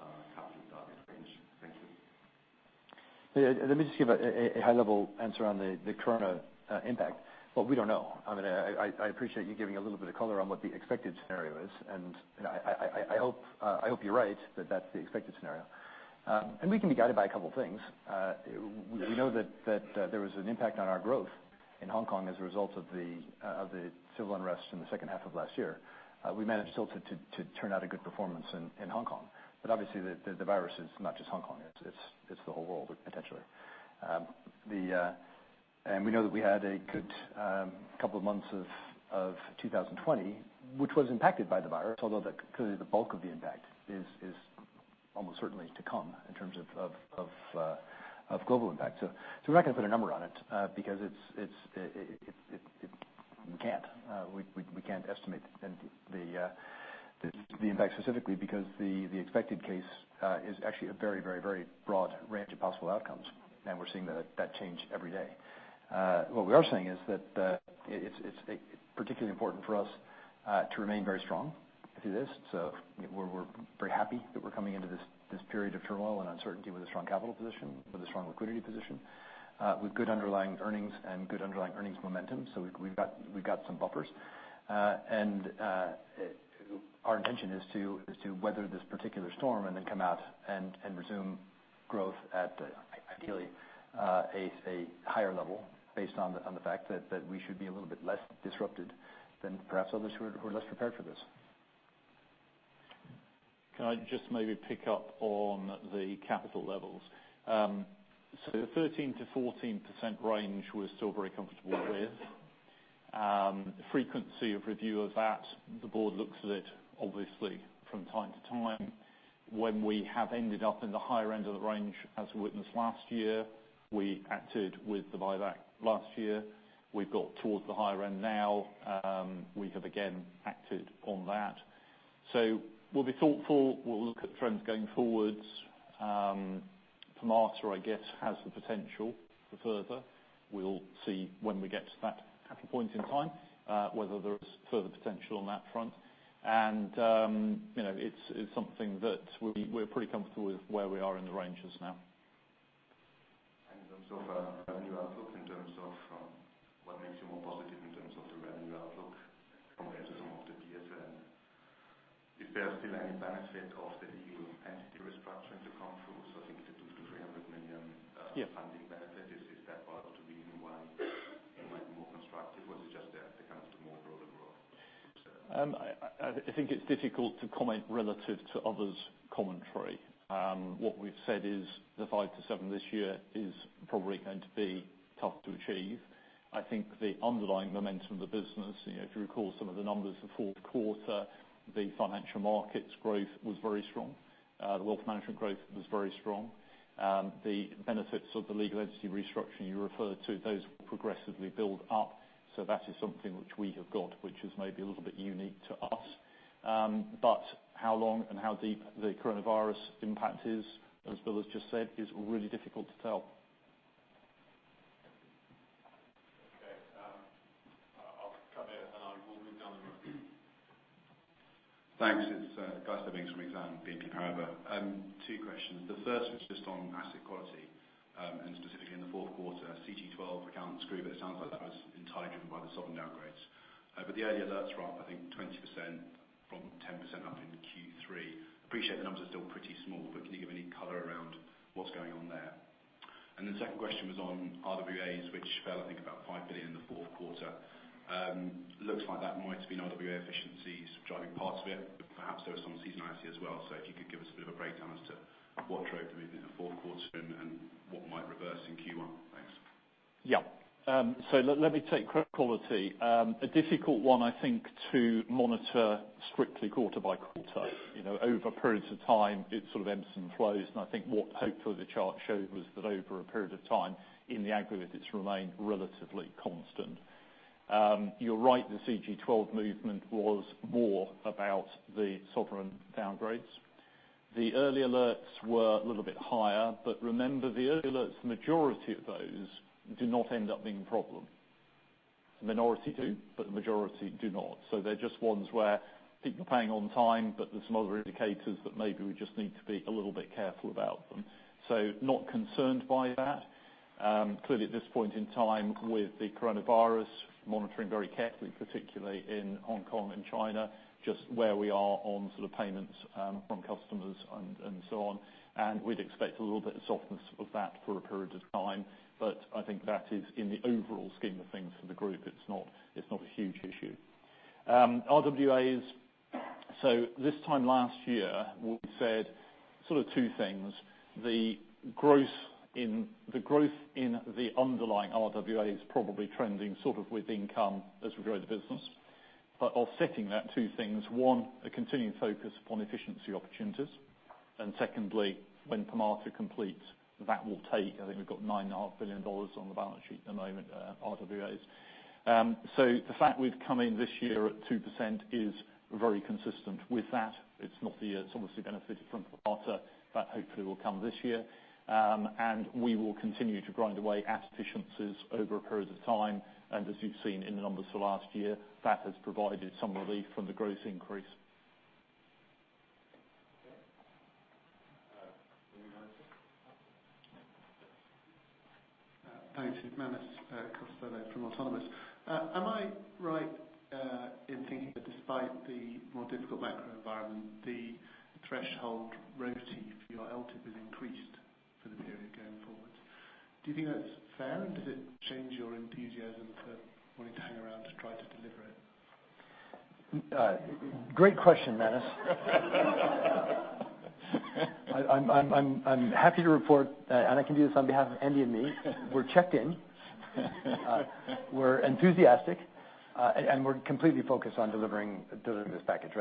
Speaker 4: to where you are in terms of this capital target range? Thank you.
Speaker 1: Let me just give a high-level answer on the current impact. We don't know. I appreciate you giving a little bit of color on what the expected scenario is, and I hope you're right that that's the expected scenario. We can be guided by a couple of things. We know that there was an impact on our growth in Hong Kong as a result of the civil unrest in the second half of last year. We managed still to turn out a good performance in Hong Kong. Obviously, the virus is not just Hong Kong, it's the whole world, potentially. We know that we had a good couple of months of 2020, which was impacted by the virus, although clearly the bulk of the impact is almost certainly to come in terms of global impact. We're not going to put a number on it because we can't estimate the impact specifically, because the expected case is actually a very broad range of possible outcomes, and we're seeing that change every day. What we are saying is that it's particularly important for us to remain very strong through this. We're very happy that we're coming into this period of turmoil and uncertainty with a strong capital position, with a strong liquidity position, with good underlying earnings and good underlying earnings momentum. We've got some buffers. Our intention is to weather this particular storm and then come out and resume growth at ideally a higher level based on the fact that we should be a little bit less disrupted than perhaps others who are less prepared for this.
Speaker 2: Can I just maybe pick up on the capital levels? The 13%-14% range we're still very comfortable with. Frequency of review of that, the board looks at it obviously from time to time. When we have ended up in the higher end of the range, as we witnessed last year, we acted with the buyback last year. We've got towards the higher end now. We have again acted on that. We'll be thoughtful. We'll look at trends going forwards. Permata, I guess, has the potential for further. We'll see when we get to that point in time whether there is further potential on that front. It's something that we're pretty comfortable with where we are in the ranges now.
Speaker 4: In terms of revenue outlook, in terms of what makes you more positive in terms of the revenue outlook compared to some of the peers. Is there still any benefit of the legal entity restructuring to come through? I think the $200 million-$300 million.
Speaker 2: Yeah.
Speaker 4: Funding benefit. Is that part of the reason why it might be more constructive or is it just that it comes to more broader growth?
Speaker 2: I think it's difficult to comment relative to others' commentary. What we've said is the five to seven this year is probably going to be tough to achieve. I think the underlying momentum of the business, if you recall some of the numbers for fourth quarter, the financial markets growth was very strong. The wealth management growth was very strong. The benefits of the legal entity restructuring you refer to, those progressively build up. That is something which we have got, which is maybe a little bit unique to us. How long and how deep the coronavirus impact is, as Bill has just said, is really difficult to tell.
Speaker 3: Okay. I'll come here, and I will move down the room.
Speaker 5: Thanks. It's Guy Stear from Exane BNP Paribas. Two questions. The first was just on asset quality, and specifically in the fourth quarter, CG12 accounts group. The early alerts were up, I think 20% from 10% up in Q3. Appreciate the numbers are still pretty small, but can you give any color around what's going on there? The second question was on RWAs, which fell, I think about 5 billion in the fourth quarter. Looks like that might have been RWA efficiencies driving parts of it, but perhaps there was some seasonality as well. If you could give us a bit of a breakdown as to what drove the movement in the fourth quarter and what might reverse in Q1. Thanks.
Speaker 2: Yeah. Let me take credit quality. A difficult one, I think, to monitor strictly quarter-by-quarter. Over periods of time, it sort of ebbs and flows. I think what hopefully the chart showed was that over a period of time in the aggregate, it's remained relatively constant. You're right, the CG 12 movement was more about the sovereign downgrades. The early alerts were a little bit higher, but remember, the early alerts, majority of those do not end up being a problem. A minority do, but the majority do not. They're just ones where people are paying on time, but there's some other indicators that maybe we just need to be a little bit careful about them. Not concerned by that. Clearly at this point in time with the coronavirus monitoring very carefully, particularly in Hong Kong and China, just where we are on sort of payments from customers and so on. We'd expect a little bit of softness of that for a period of time. I think that is in the overall scheme of things for the group. It's not a huge issue. RWAs. This time last year, we said sort of two things. The growth in the underlying RWAs probably trending sort of with income as we grow the business. Offsetting that two things. One, a continuing focus upon efficiency opportunities. Secondly, when Permata completes, that will take, I think we've got $9.5 billion on the balance sheet at the moment, RWAs. The fact we've come in this year at 2% is very consistent with that. It's obviously benefited from Permata. That hopefully will come this year. We will continue to grind away at efficiencies over a period of time. As you've seen in the numbers for last year, that has provided some relief from the gross increase.
Speaker 3: Okay. Manus Costello.
Speaker 6: Thanks. It's Manus Costello from Autonomous. Am I right in thinking that despite the more difficult macro environment, the threshold RoTE for your LTIP has increased for the period going forward? Do you think that's fair, and does it change your enthusiasm for wanting to hang around to try to deliver it?
Speaker 1: Great question, Manus. I'm happy to report, I can do this on behalf of Andy and me. We're checked in. We're enthusiastic, and we're completely focused on delivering this package.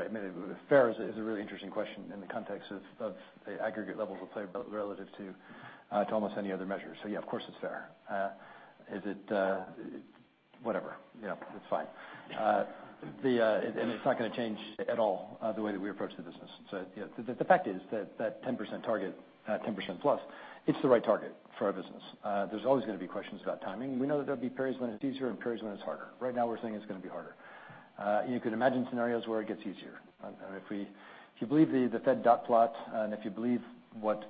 Speaker 1: Fair is a really interesting question in the context of the aggregate levels of play relative to almost any other measure. Yeah, of course, it's fair. Is it whatever. It's fine. It's not going to change at all the way that we approach the business. The fact is that 10% target, 10%+, it's the right target for our business. There's always going to be questions about timing. We know that there'll be periods when it's easier and periods when it's harder. Right now we're saying it's going to be harder. You can imagine scenarios where it gets easier. If you believe the Fed dot plot and if you believe what,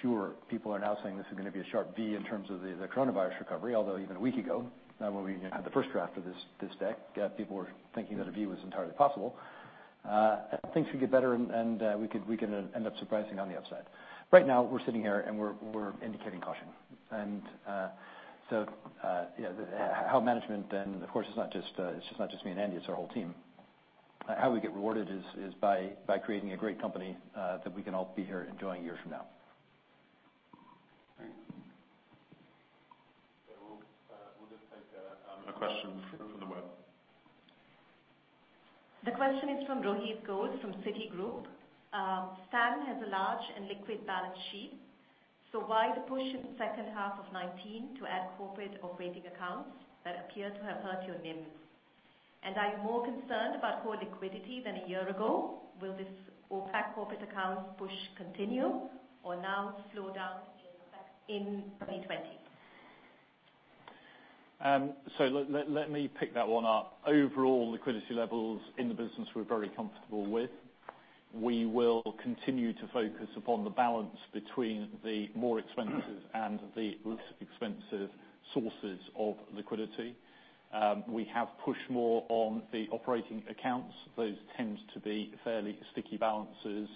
Speaker 1: fewer people are now saying this is going to be a sharp V in terms of the coronavirus recovery, although even a week ago, when we had the first draft of this deck, people were thinking that a V was entirely possible. Things could get better, and we could end up surprising on the upside. Right now we're sitting here and we're indicating caution. How management then, of course, it's not just me and Andy, it's our whole team. How we get rewarded is by creating a great company that we can all be here enjoying years from now.
Speaker 2: Great. We'll just take a question from the web.
Speaker 7: The question is from Rohit Ghose, from Citigroup. Stan has a large and liquid balance sheet. Why the push in the second half of 2019 to add corporate operating accounts that appear to have hurt your NIMs? Are you more concerned about core liquidity than a year ago? Will this OPAC corporate accounts push continue or now slow down in 2020?
Speaker 2: Let me pick that one up. Overall liquidity levels in the business, we're very comfortable with. We will continue to focus upon the balance between the more expensive and the less expensive sources of liquidity. We have pushed more on the operating accounts. Those tend to be fairly sticky balances.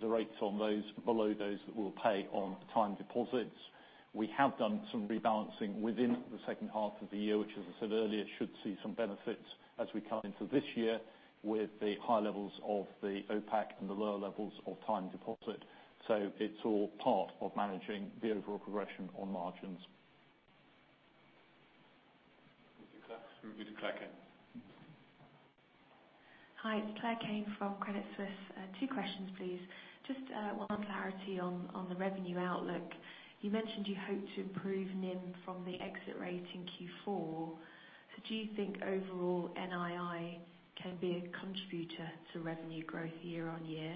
Speaker 2: The rates on those below those that we'll pay on time deposits. We have done some rebalancing within the second half of the year, which, as I said earlier, should see some benefits as we come into this year with the high levels of the OPAC and the lower levels of time deposit. It's all part of managing the overall progression on margins.
Speaker 3: Miss Claire Kane.
Speaker 8: Hi, it's Claire Kane from Credit Suisse. Two questions, please. Just one clarity on the revenue outlook. You mentioned you hope to improve NIM from the exit rate in Q4. Do you think overall NII can be a contributor to revenue growth year-on-year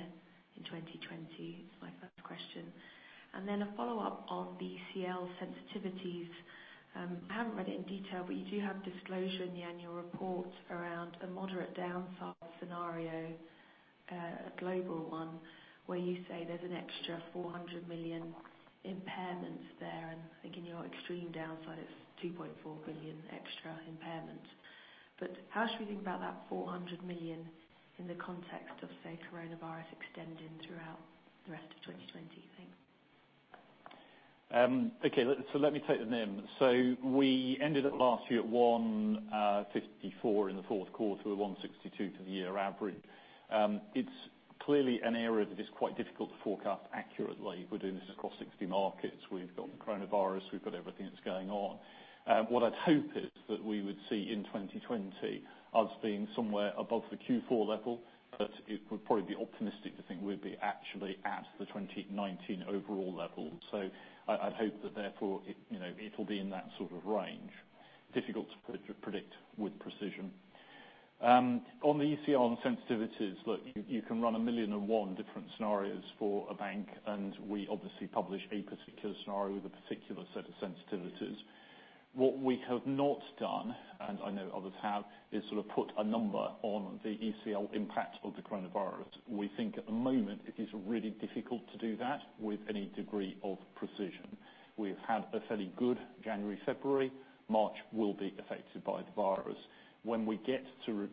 Speaker 8: in 2020? Is my first question. A follow-up on the ECL sensitivities. I haven't read it in detail. You do have disclosure in the annual report around a moderate downside scenario, a global one, where you say there's an extra $400 million impairment there. I think in your extreme downside, it's $2.4 billion extra impairment. How should we think about that $400 million in the context of, say, coronavirus extending throughout the rest of 2020? Thanks.
Speaker 2: Okay. Let me take the NIM. We ended up last year at 154 in the fourth quarter with 162 for the year average. It's clearly an area that is quite difficult to forecast accurately. We're doing this across 60 markets. We've got the coronavirus, we've got everything that's going on. What I'd hope is that we would see in 2020, us being somewhere above the Q4 level, but it would probably be optimistic to think we'd be actually at the 2019 overall level. I'd hope that therefore it'll be in that sort of range. Difficult to predict with precision. On the ECL and sensitivities, look, you can run a 1 million and one different scenarios for a bank, and we obviously publish a particular scenario with a particular set of sensitivities. What we have not done, and I know others have, is sort of put a number on the ECL impact of the coronavirus. We think at the moment it is really difficult to do that with any degree of precision. We've had a fairly good January, February. March will be affected by the virus. When we get to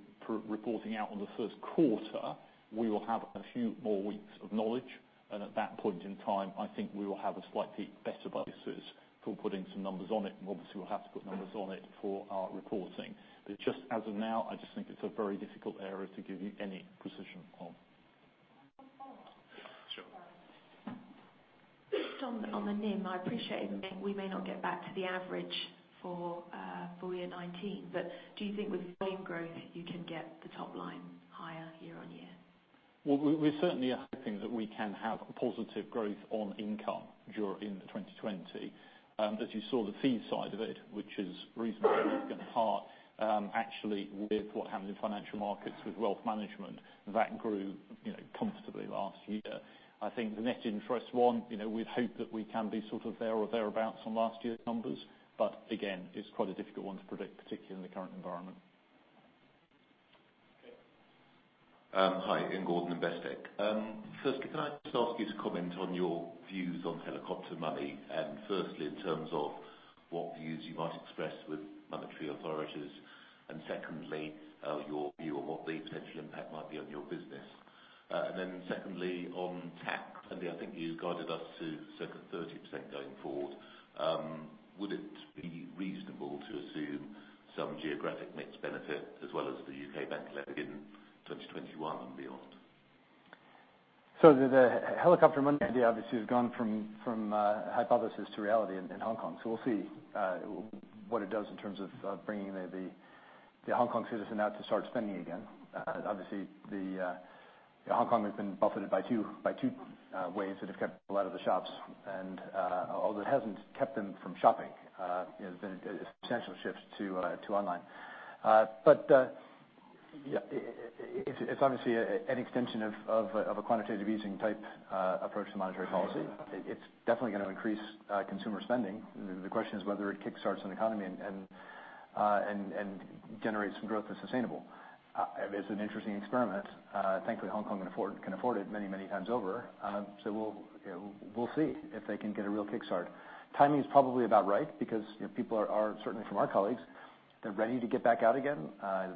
Speaker 2: reporting out on the first quarter, we will have a few more weeks of knowledge, and at that point in time, I think we will have a slightly better basis for putting some numbers on it, and obviously we'll have to put numbers on it for our reporting. Just as of now, I just think it's a very difficult area to give you any precision on.
Speaker 8: One follow-up.
Speaker 2: Sure.
Speaker 8: Just on the NIM, I appreciate we may not get back to the average for full year 2019. Do you think with volume growth you can get the top line higher year-on-year?
Speaker 2: Well, we certainly are hoping that we can have positive growth on income during 2020. As you saw the fee side of it, which is reasonably apart, actually with what happened in financial markets with wealth management, that grew comfortably last year. I think the net interest one, we'd hope that we can be sort of there or thereabouts on last year's numbers. Again, it's quite a difficult one to predict, particularly in the current environment.
Speaker 3: Okay.
Speaker 9: Hi, Ian Gordon, Investec. Firstly, can I just ask you to comment on your views on helicopter money? Firstly, in terms of what views you might express with monetary authorities. Secondly, your view on what the potential impact might be on your business. Secondly, on tax, Andy, I think you guided us to circa 30% going forward. Would it be reasonable to assume some geographic mix benefit as well as the U.K. bank levy in 2021 and beyond?
Speaker 1: The helicopter money idea obviously has gone from hypothesis to reality in Hong Kong. We'll see what it does in terms of bringing the Hong Kong citizen out to start spending again. Obviously, Hong Kong has been buffeted by two waves that have kept people out of the shops, although it hasn't kept them from shopping. There's been a substantial shift to online. It's obviously an extension of a quantitative easing type approach to monetary policy. It's definitely going to increase consumer spending. The question is whether it kick-starts an economy and generates some growth that's sustainable. It's an interesting experiment. Thankfully, Hong Kong can afford it many, many times over. We'll see if they can get a real kickstart. Timing is probably about right because people are, certainly from our colleagues, they're ready to get back out again.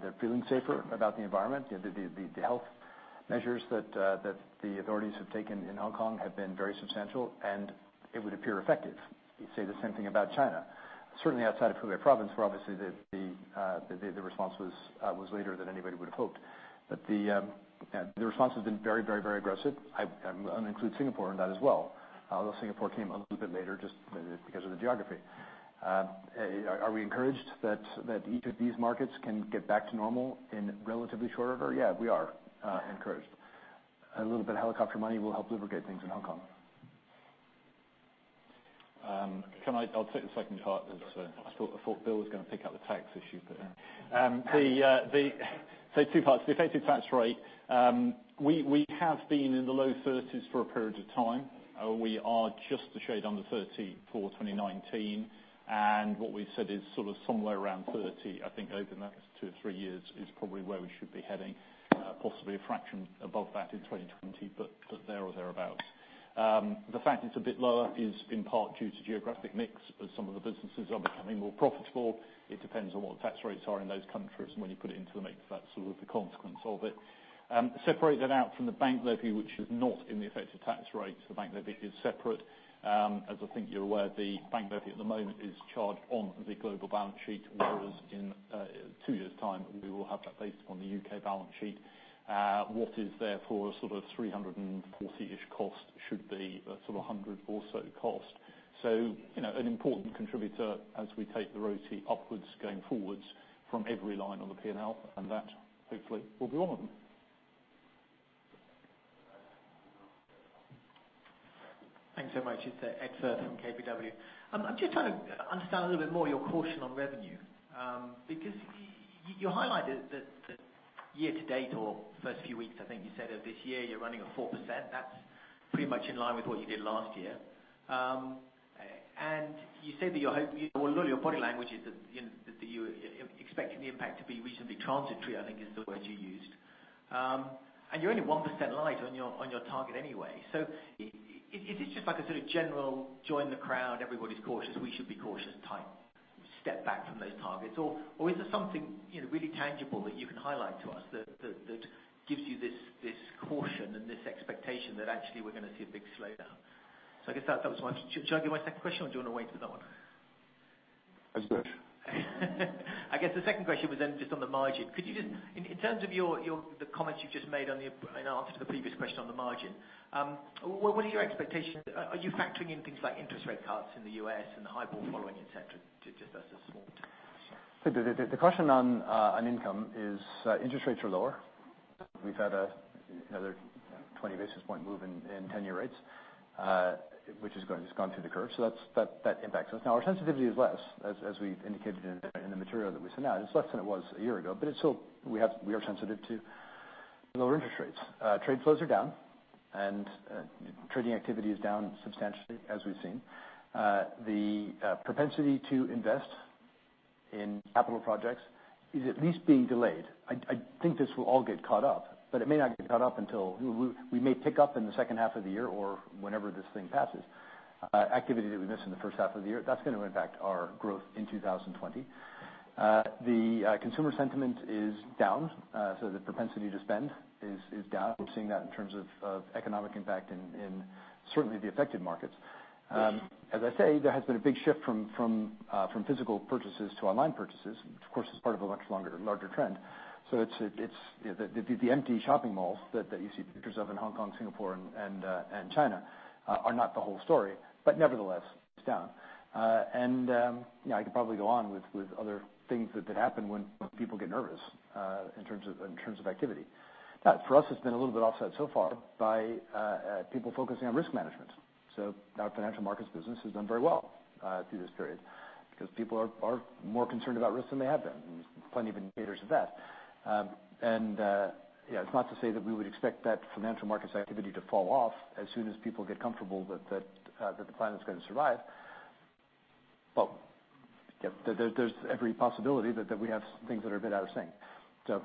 Speaker 1: They're feeling safer about the environment. The health measures that the authorities have taken in Hong Kong have been very substantial, and it would appear effective. You'd say the same thing about China. Certainly outside of Hubei province, where obviously the response was later than anybody would have hoped. The response has been very aggressive. I include Singapore in that as well. Although Singapore came a little bit later just because of the geography. Are we encouraged that each of these markets can get back to normal in relatively short order? Yeah, we are encouraged. A little bit of helicopter money will help lubricate things in Hong Kong.
Speaker 2: I'll take the second part. I thought Bill was going to pick up the tax issue. Two parts. The effective tax rate. We have been in the low 30s for a period of time. We are just a shade under 30 for 2019, and what we've said is sort of somewhere around 30, I think over the next two or three years is probably where we should be heading. Possibly a fraction above that in 2020, but there or thereabout. The fact it's a bit lower is in part due to geographic mix, as some of the businesses are becoming more profitable. It depends on what tax rates are in those countries, and when you put it into the mix, that's sort of the consequence of it. Separate that out from the bank levy, which is not in the effective tax rate. The bank levy is separate. As I think you're aware, the bank levy at the moment is charged on the global balance sheet, whereas in two years' time, we will have that based on the U.K. balance sheet. What is there for a sort of $340-ish cost should be a sort of $100 or so cost. An important contributor as we take the ROT upwards going forwards from every line on the P&L, and that hopefully will be one of them.
Speaker 10: Thanks so much. It's Ed Firth from KBW. I'm just trying to understand a little bit more your caution on revenue. You highlighted that year to date or first few weeks, I think you said, of this year, you're running at 4%. That's pretty much in line with what you did last year. You said that your hope or a lot of your body language is that you're expecting the impact to be reasonably transitory, I think is the words you used. You're only 1% light on your target anyway. Is this just like a sort of general join the crowd, everybody's cautious, we should be cautious type step back from those targets? Is there something really tangible that you can highlight to us that gives you this caution and this expectation that actually we're going to see a big slowdown? I guess that was one. Should I give you my second question, or do you want to wait for that one?
Speaker 1: As you wish.
Speaker 10: I guess the second question was just on the margin. In terms of the comments you've just made in answer to the previous question on the margin, what are your expectations? Are you factoring in things like interest rate cuts in the U.S. and the hype all following, et cetera? Just as a small question.
Speaker 1: The caution on income is interest rates are lower. We've had another 20 basis point move in 10-year rates, which has gone through the curve. That impacts us. Our sensitivity is less, as we've indicated in the material that we sent out. It's less than it was a year ago. We are sensitive to lower interest rates. Trade flows are down. Trading activity is down substantially, as we've seen. The propensity to invest in capital projects is at least being delayed. I think this will all get caught up. It may not get caught up until we may pick up in the second half of the year or whenever this thing passes. Activity that we miss in the first half of the year, that's going to impact our growth in 2020. The consumer sentiment is down. The propensity to spend is down. We're seeing that in terms of economic impact in certainly the affected markets. As I say, there has been a big shift from physical purchases to online purchases, which of course is part of a much longer, larger trend. The empty shopping malls that you see pictures of in Hong Kong, Singapore, and China are not the whole story, but nevertheless, it's down. I could probably go on with other things that happen when people get nervous in terms of activity. For us, it's been a little bit offset so far by people focusing on risk management. Our financial markets business has done very well through this period because people are more concerned about risk than they have been. There's plenty of indicators of that. It's not to say that we would expect that financial markets activity to fall off as soon as people get comfortable that the planet's going to survive. There's every possibility that we have things that are a bit out of sync.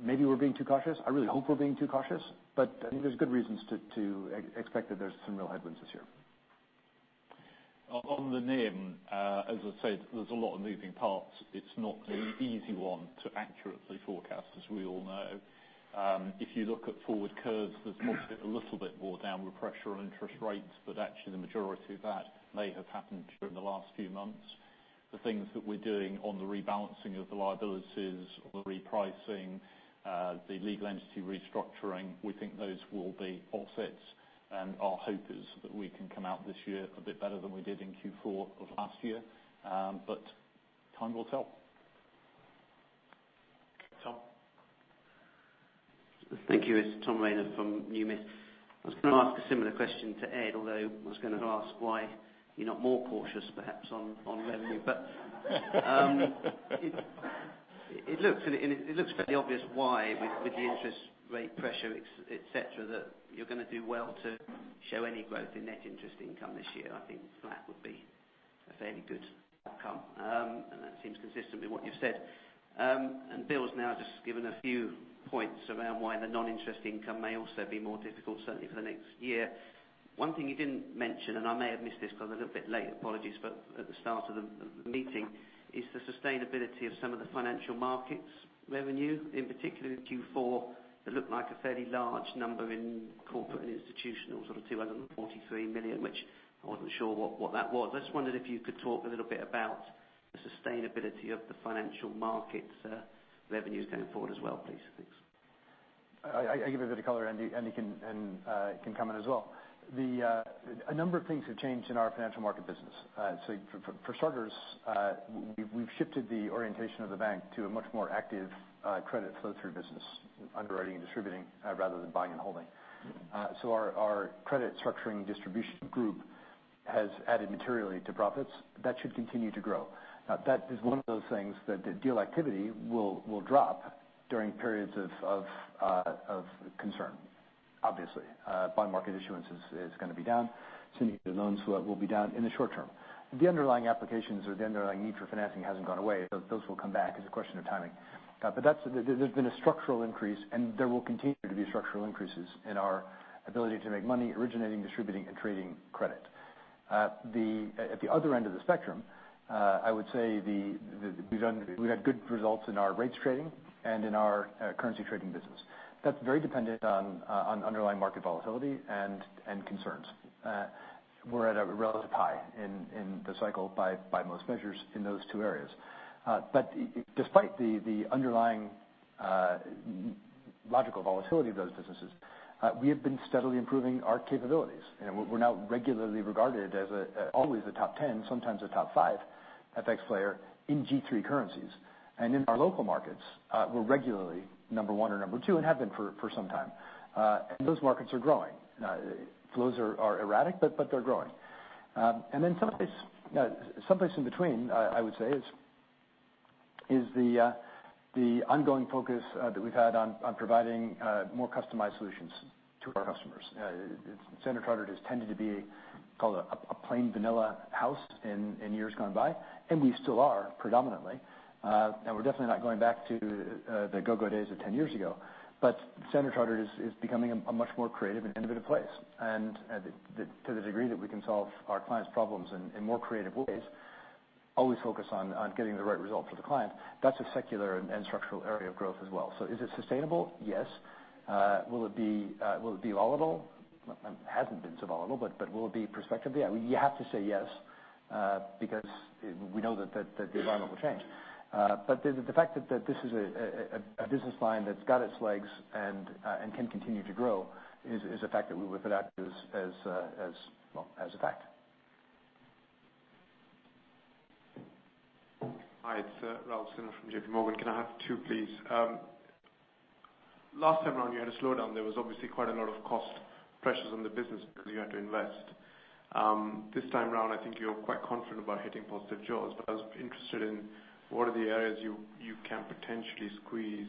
Speaker 1: Maybe we're being too cautious. I really hope we're being too cautious, but I think there's good reasons to expect that there's some real headwinds this year.
Speaker 2: On the NIM, as I said, there's a lot of moving parts. It's not an easy one to accurately forecast, as we all know. If you look at forward curves, there's possibly a little bit more downward pressure on interest rates, but actually the majority of that may have happened during the last few months. The things that we're doing on the rebalancing of the liabilities, on the repricing, the legal entity restructuring, we think those will be offsets, and our hope is that we can come out this year a bit better than we did in Q4 of last year. Time will tell.
Speaker 3: Tom?
Speaker 11: Thank you. It's Tom Rayner from Numis. I was going to ask a similar question to Ed, although I was going to ask why you're not more cautious perhaps on revenue. It looks fairly obvious why, with the interest rate pressure, et cetera, that you're going to do well to show any growth in net interest income this year. I think flat would be a fairly good outcome, and that seems consistent with what you've said. Bill's now just given a few points around why the non-interest income may also be more difficult, certainly for the next year. One thing you didn't mention, and I may have missed this because I was a little bit late, apologies, but at the start of the meeting, is the sustainability of some of the financial markets revenue. In particular with Q4, it looked like a fairly large number in corporate and institutional, sort of $243 million, which I wasn't sure what that was. I just wondered if you could talk a little bit about the sustainability of the financial markets revenues going forward as well, please. Thanks.
Speaker 1: I'll give a bit of color, and you can come in as well. A number of things have changed in our financial market business. For starters, we've shifted the orientation of the bank to a much more active credit flow through business, underwriting and distributing rather than buying and holding. Our credit structuring distribution group has added materially to profits. That should continue to grow. That is one of those things that deal activity will drop during periods of concern, obviously. Bond market issuance is going to be down. Syndicated loans will be down in the short term. The underlying applications or the underlying need for financing hasn't gone away, so those will come back as a question of timing. There's been a structural increase, and there will continue to be structural increases in our ability to make money originating, distributing, and creating credit. At the other end of the spectrum, I would say we've had good results in our rates trading and in our currency trading business. That's very dependent on underlying market volatility and concerns. We're at a relative high in the cycle by most measures in those two areas. Despite the underlying logical volatility of those businesses, we have been steadily improving our capabilities. We're now regularly regarded as always a top 10, sometimes a top five FX player in G3 currencies. In our local markets, we're regularly number one or number two and have been for some time. Flows are erratic, but they're growing. Then someplace in between, I would say, is the ongoing focus that we've had on providing more customized solutions to our customers. Standard Chartered has tended to be called a plain vanilla house in years gone by, and we still are predominantly. We're definitely not going back to the go-go days of 10 years ago. Standard Chartered is becoming a much more creative and innovative place. To the degree that we can solve our clients' problems in more creative ways, always focus on getting the right result for the client. That's a secular and structural area of growth as well. Is it sustainable? Yes. Will it be volatile? Hasn't been so volatile, but will it be prospectively? You have to say yes, because we know that the environment will change. The fact that this is a business line that's got its legs and can continue to grow is a fact that we would put out as a fact.
Speaker 12: Hi, it's Raul Sinha from JP Morgan. Can I have two, please? Last time around, you had a slowdown. There was obviously quite a lot of cost pressures on the business because you had to invest. This time around, I think you're quite confident about hitting positive jaws, but I was interested in what are the areas you can potentially squeeze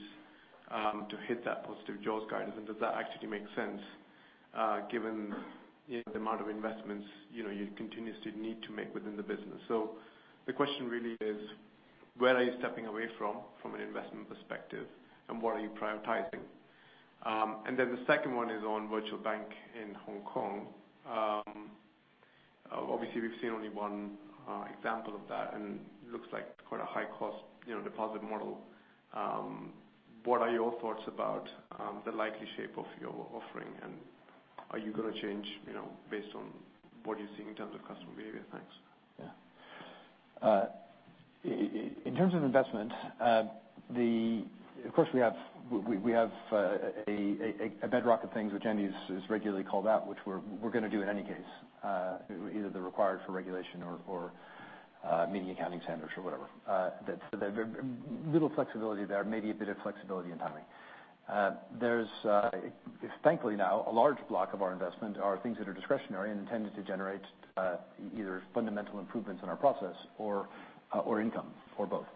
Speaker 12: to hit that positive jaws guidance, and does that actually make sense given the amount of investments you continuously need to make within the business? The question really is, where are you stepping away from an investment perspective, and what are you prioritizing? The second one is on virtual bank in Hong Kong. Obviously, we've seen only one example of that, and it looks like quite a high-cost deposit model. What are your thoughts about the likely shape of your offering, and are you going to change based on what you're seeing in terms of customer behavior? Thanks.
Speaker 1: Yeah. In terms of investment, of course, we have a bedrock of things which Andy's regularly called out, which we're going to do in any case. Either they're required for regulation or meeting accounting standards or whatever. There's little flexibility there, maybe a bit of flexibility in timing. There's, thankfully now, a large block of our investment are things that are discretionary and intended to generate either fundamental improvements in our process or income or both.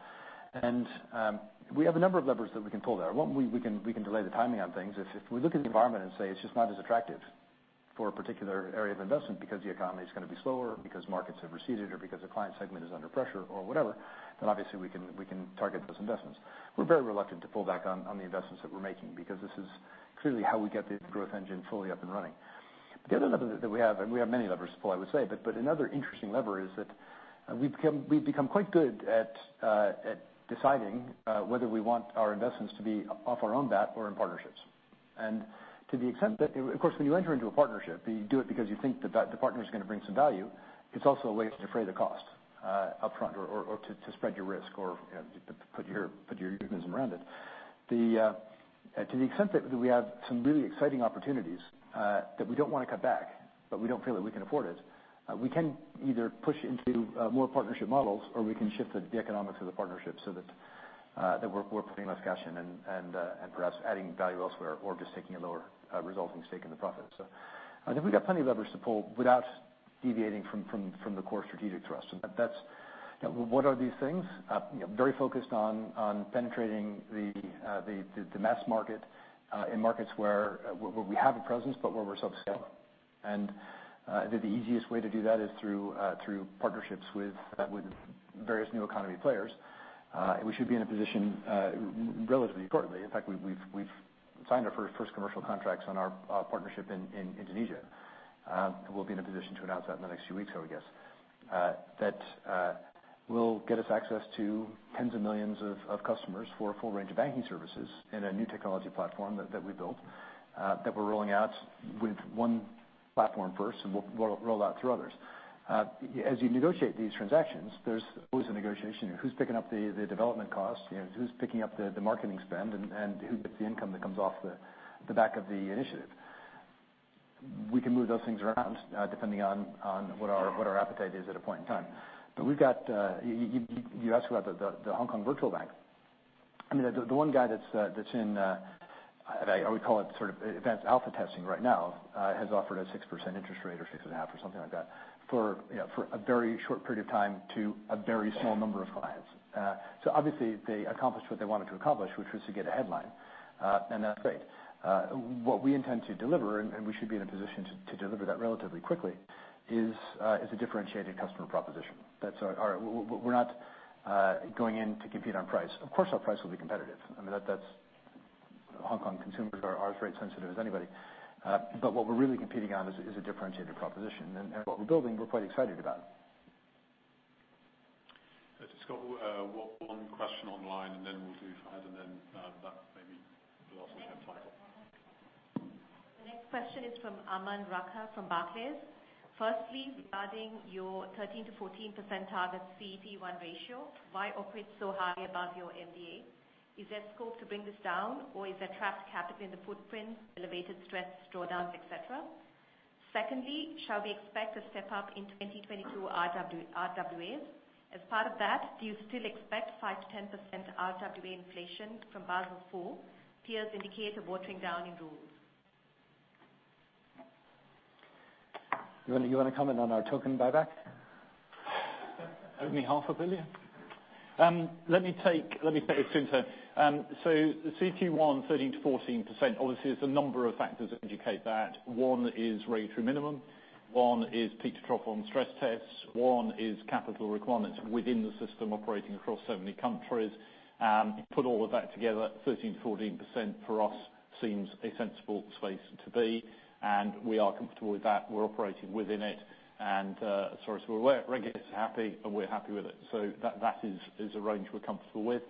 Speaker 1: We have a number of levers that we can pull there. One, we can delay the timing on things. If we look at the environment and say it's just not as attractive for a particular area of investment because the economy is going to be slower, because markets have receded, or because a client segment is under pressure or whatever, then obviously we can target those investments. We're very reluctant to pull back on the investments that we're making because this is clearly how we get the growth engine fully up and running. The other lever that we have, and we have many levers, Raul, I would say. Another interesting lever is that we've become quite good at deciding whether we want our investments to be off our own bat or in partnerships. To the extent that of course, when you enter into a partnership, you do it because you think that the partner is going to bring some value. It's also a way to defray the cost up front or to spread your risk or put your mechanism around it. To the extent that we have some really exciting opportunities that we don't want to cut back, but we don't feel that we can afford it, we can either push into more partnership models or we can shift the economics of the partnership so that we're putting less cash in and perhaps adding value elsewhere or just taking a lower resulting stake in the profit. I think we've got plenty of leverage to pull without deviating from the core strategic thrust. What are these things? Very focused on penetrating the mass market in markets where we have a presence but where we're still scaling. I think the easiest way to do that is through partnerships with various new economy players. We should be in a position. In fact, we've signed our first commercial contracts on our partnership in Indonesia. We'll be in a position to announce that in the next few weeks, I would guess. That will get us access to tens of millions of customers for a full range of banking services in a new technology platform that we built, that we're rolling out with one platform first and we'll roll out through others. As you negotiate these transactions, there's always a negotiation of who's picking up the development cost, who's picking up the marketing spend, and who gets the income that comes off the back of the initiative. We can move those things around, depending on what our appetite is at a point in time. You asked about the Hong Kong virtual bank. The one guy that's in, I would call it sort of advanced alpha testing right now, has offered a 6% interest rate or 6.5% or something like that for a very short period of time to a very small number of clients. Obviously they accomplished what they wanted to accomplish, which was to get a headline. That's great. What we intend to deliver, and we should be in a position to deliver that relatively quickly, is a differentiated customer proposition. We're not going in to compete on price. Of course, our price will be competitive. Hong Kong consumers are as rate sensitive as anybody. What we're really competing on is a differentiated proposition. What we're building, we're quite excited about.
Speaker 3: Scott, one question online, and then we'll do Fahad, and then that may be the last we have time for.
Speaker 7: The next question is from Aman Rakkar from Barclays. Firstly, regarding your 13%-14% target CET1 ratio, why operate so high above your MDA? Is there scope to bring this down, or is there trapped capital in the footprint, elevated stress drawdowns, et cetera? Shall we expect a step-up in 2022 RWAs? As part of that, do you still expect 5%-10% RWA inflation from Basel IV? Peers indicate a watering down in rules.
Speaker 1: You want to comment on our token buyback?
Speaker 2: Only 500 million. Let me take it in turn. The CET1 13%-14%, obviously, there's a number of factors that indicate that. One is regulatory minimum, one is peak to trough on stress tests, one is capital requirements within the system operating across so many countries. Put all of that together, 13%-14% for us seems a sensible space to be, and we are comfortable with that. We're operating within it. As far as we're aware, regulators are happy, and we're happy with it. That is a range we're comfortable with.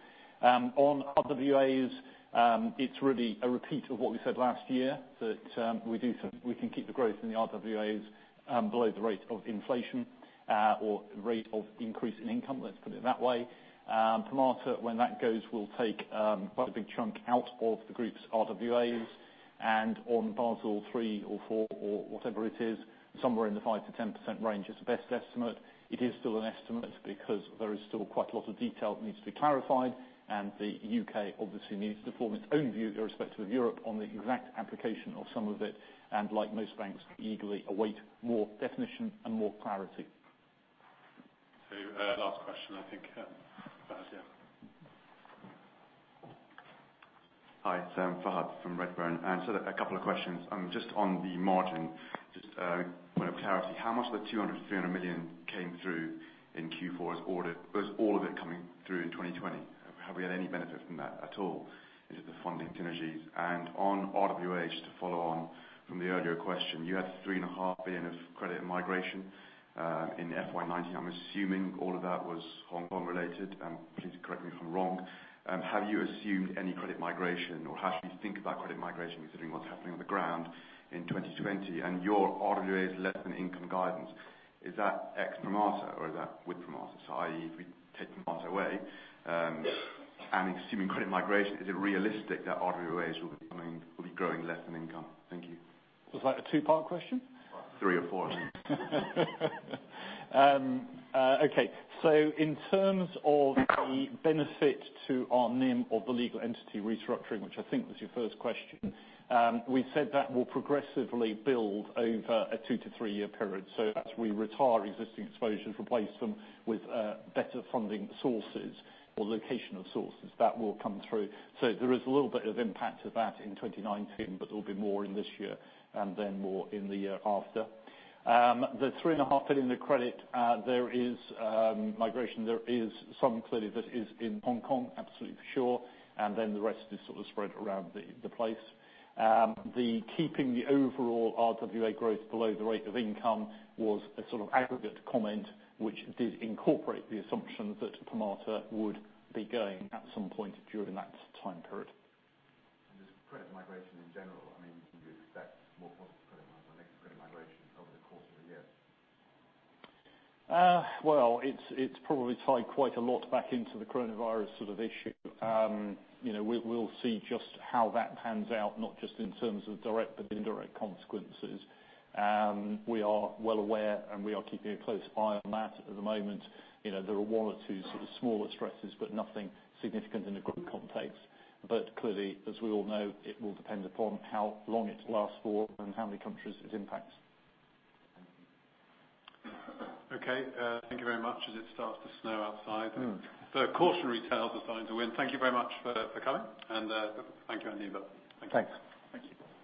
Speaker 2: On RWAs, it's really a repeat of what we said last year, that we can keep the growth in the RWAs below the rate of inflation or rate of increase in income, let's put it that way. Permata, when that goes, will take quite a big chunk out of the group's RWAs. On Basel III or IV or whatever it is, somewhere in the 5%-10% range is the best estimate. It is still an estimate because there is still quite a lot of detail that needs to be clarified. The U.K. obviously needs to form its own view irrespective of Europe on the exact application of some of it. Like most banks, eagerly await more definition and more clarity.
Speaker 3: Last question, I think. Fahed, yeah.
Speaker 13: Hi, it's Fahed from Redburn. A couple of questions. Just on the margin, just point of clarity, how much of the $200 million-$300 million came through in Q4 as all of it coming through in 2020? Have we had any benefit from that at all into the funding synergies? On RWA, just to follow on from the earlier question, you had $3.5 billion of credit migration in FY 2019. I'm assuming all of that was Hong Kong related. Please correct me if I'm wrong. Have you assumed any credit migration, or how should we think about credit migration considering what's happening on the ground in 2020 and your RWAs less than income guidance? Is that ex Permata or is that with Permata? I.e., if we take Permata away, and assuming credit migration, is it realistic that RWAs will be growing less than income? Thank you.
Speaker 2: Was that a two-part question?
Speaker 13: Three or four.
Speaker 2: Okay. In terms of the benefit to our NIM of the legal entity restructuring, which I think was your first question, we've said that will progressively build over a two to three-year period. As we retire existing exposures, replace them with better funding sources or locational sources, that will come through. There is a little bit of impact of that in 2019, but there'll be more in this year and then more in the year after. The $3.5 billion of credit, there is migration. There is some clearly that is in Hong Kong, absolutely for sure, and then the rest is sort of spread around the place. The keeping the overall RWA growth below the rate of income was a sort of aggregate comment, which did incorporate the assumption that Permata would be going at some point during that time period.
Speaker 13: Just credit migration in general, can we expect more positive credit migration over the course of the year?
Speaker 2: Well, it's probably tied quite a lot back into the coronavirus sort of issue. We'll see just how that pans out, not just in terms of direct but indirect consequences. We are well aware, and we are keeping a close eye on that at the moment. There are one or two sort of smaller stresses, but nothing significant in a group context. Clearly, as we all know, it will depend upon how long it lasts for and how many countries it impacts.
Speaker 3: Okay. Thank you very much as it starts to snow outside. The cautionary tale decided to win. Thank you very much for coming. Thank you, everyone.
Speaker 1: Thanks.
Speaker 2: Thank you.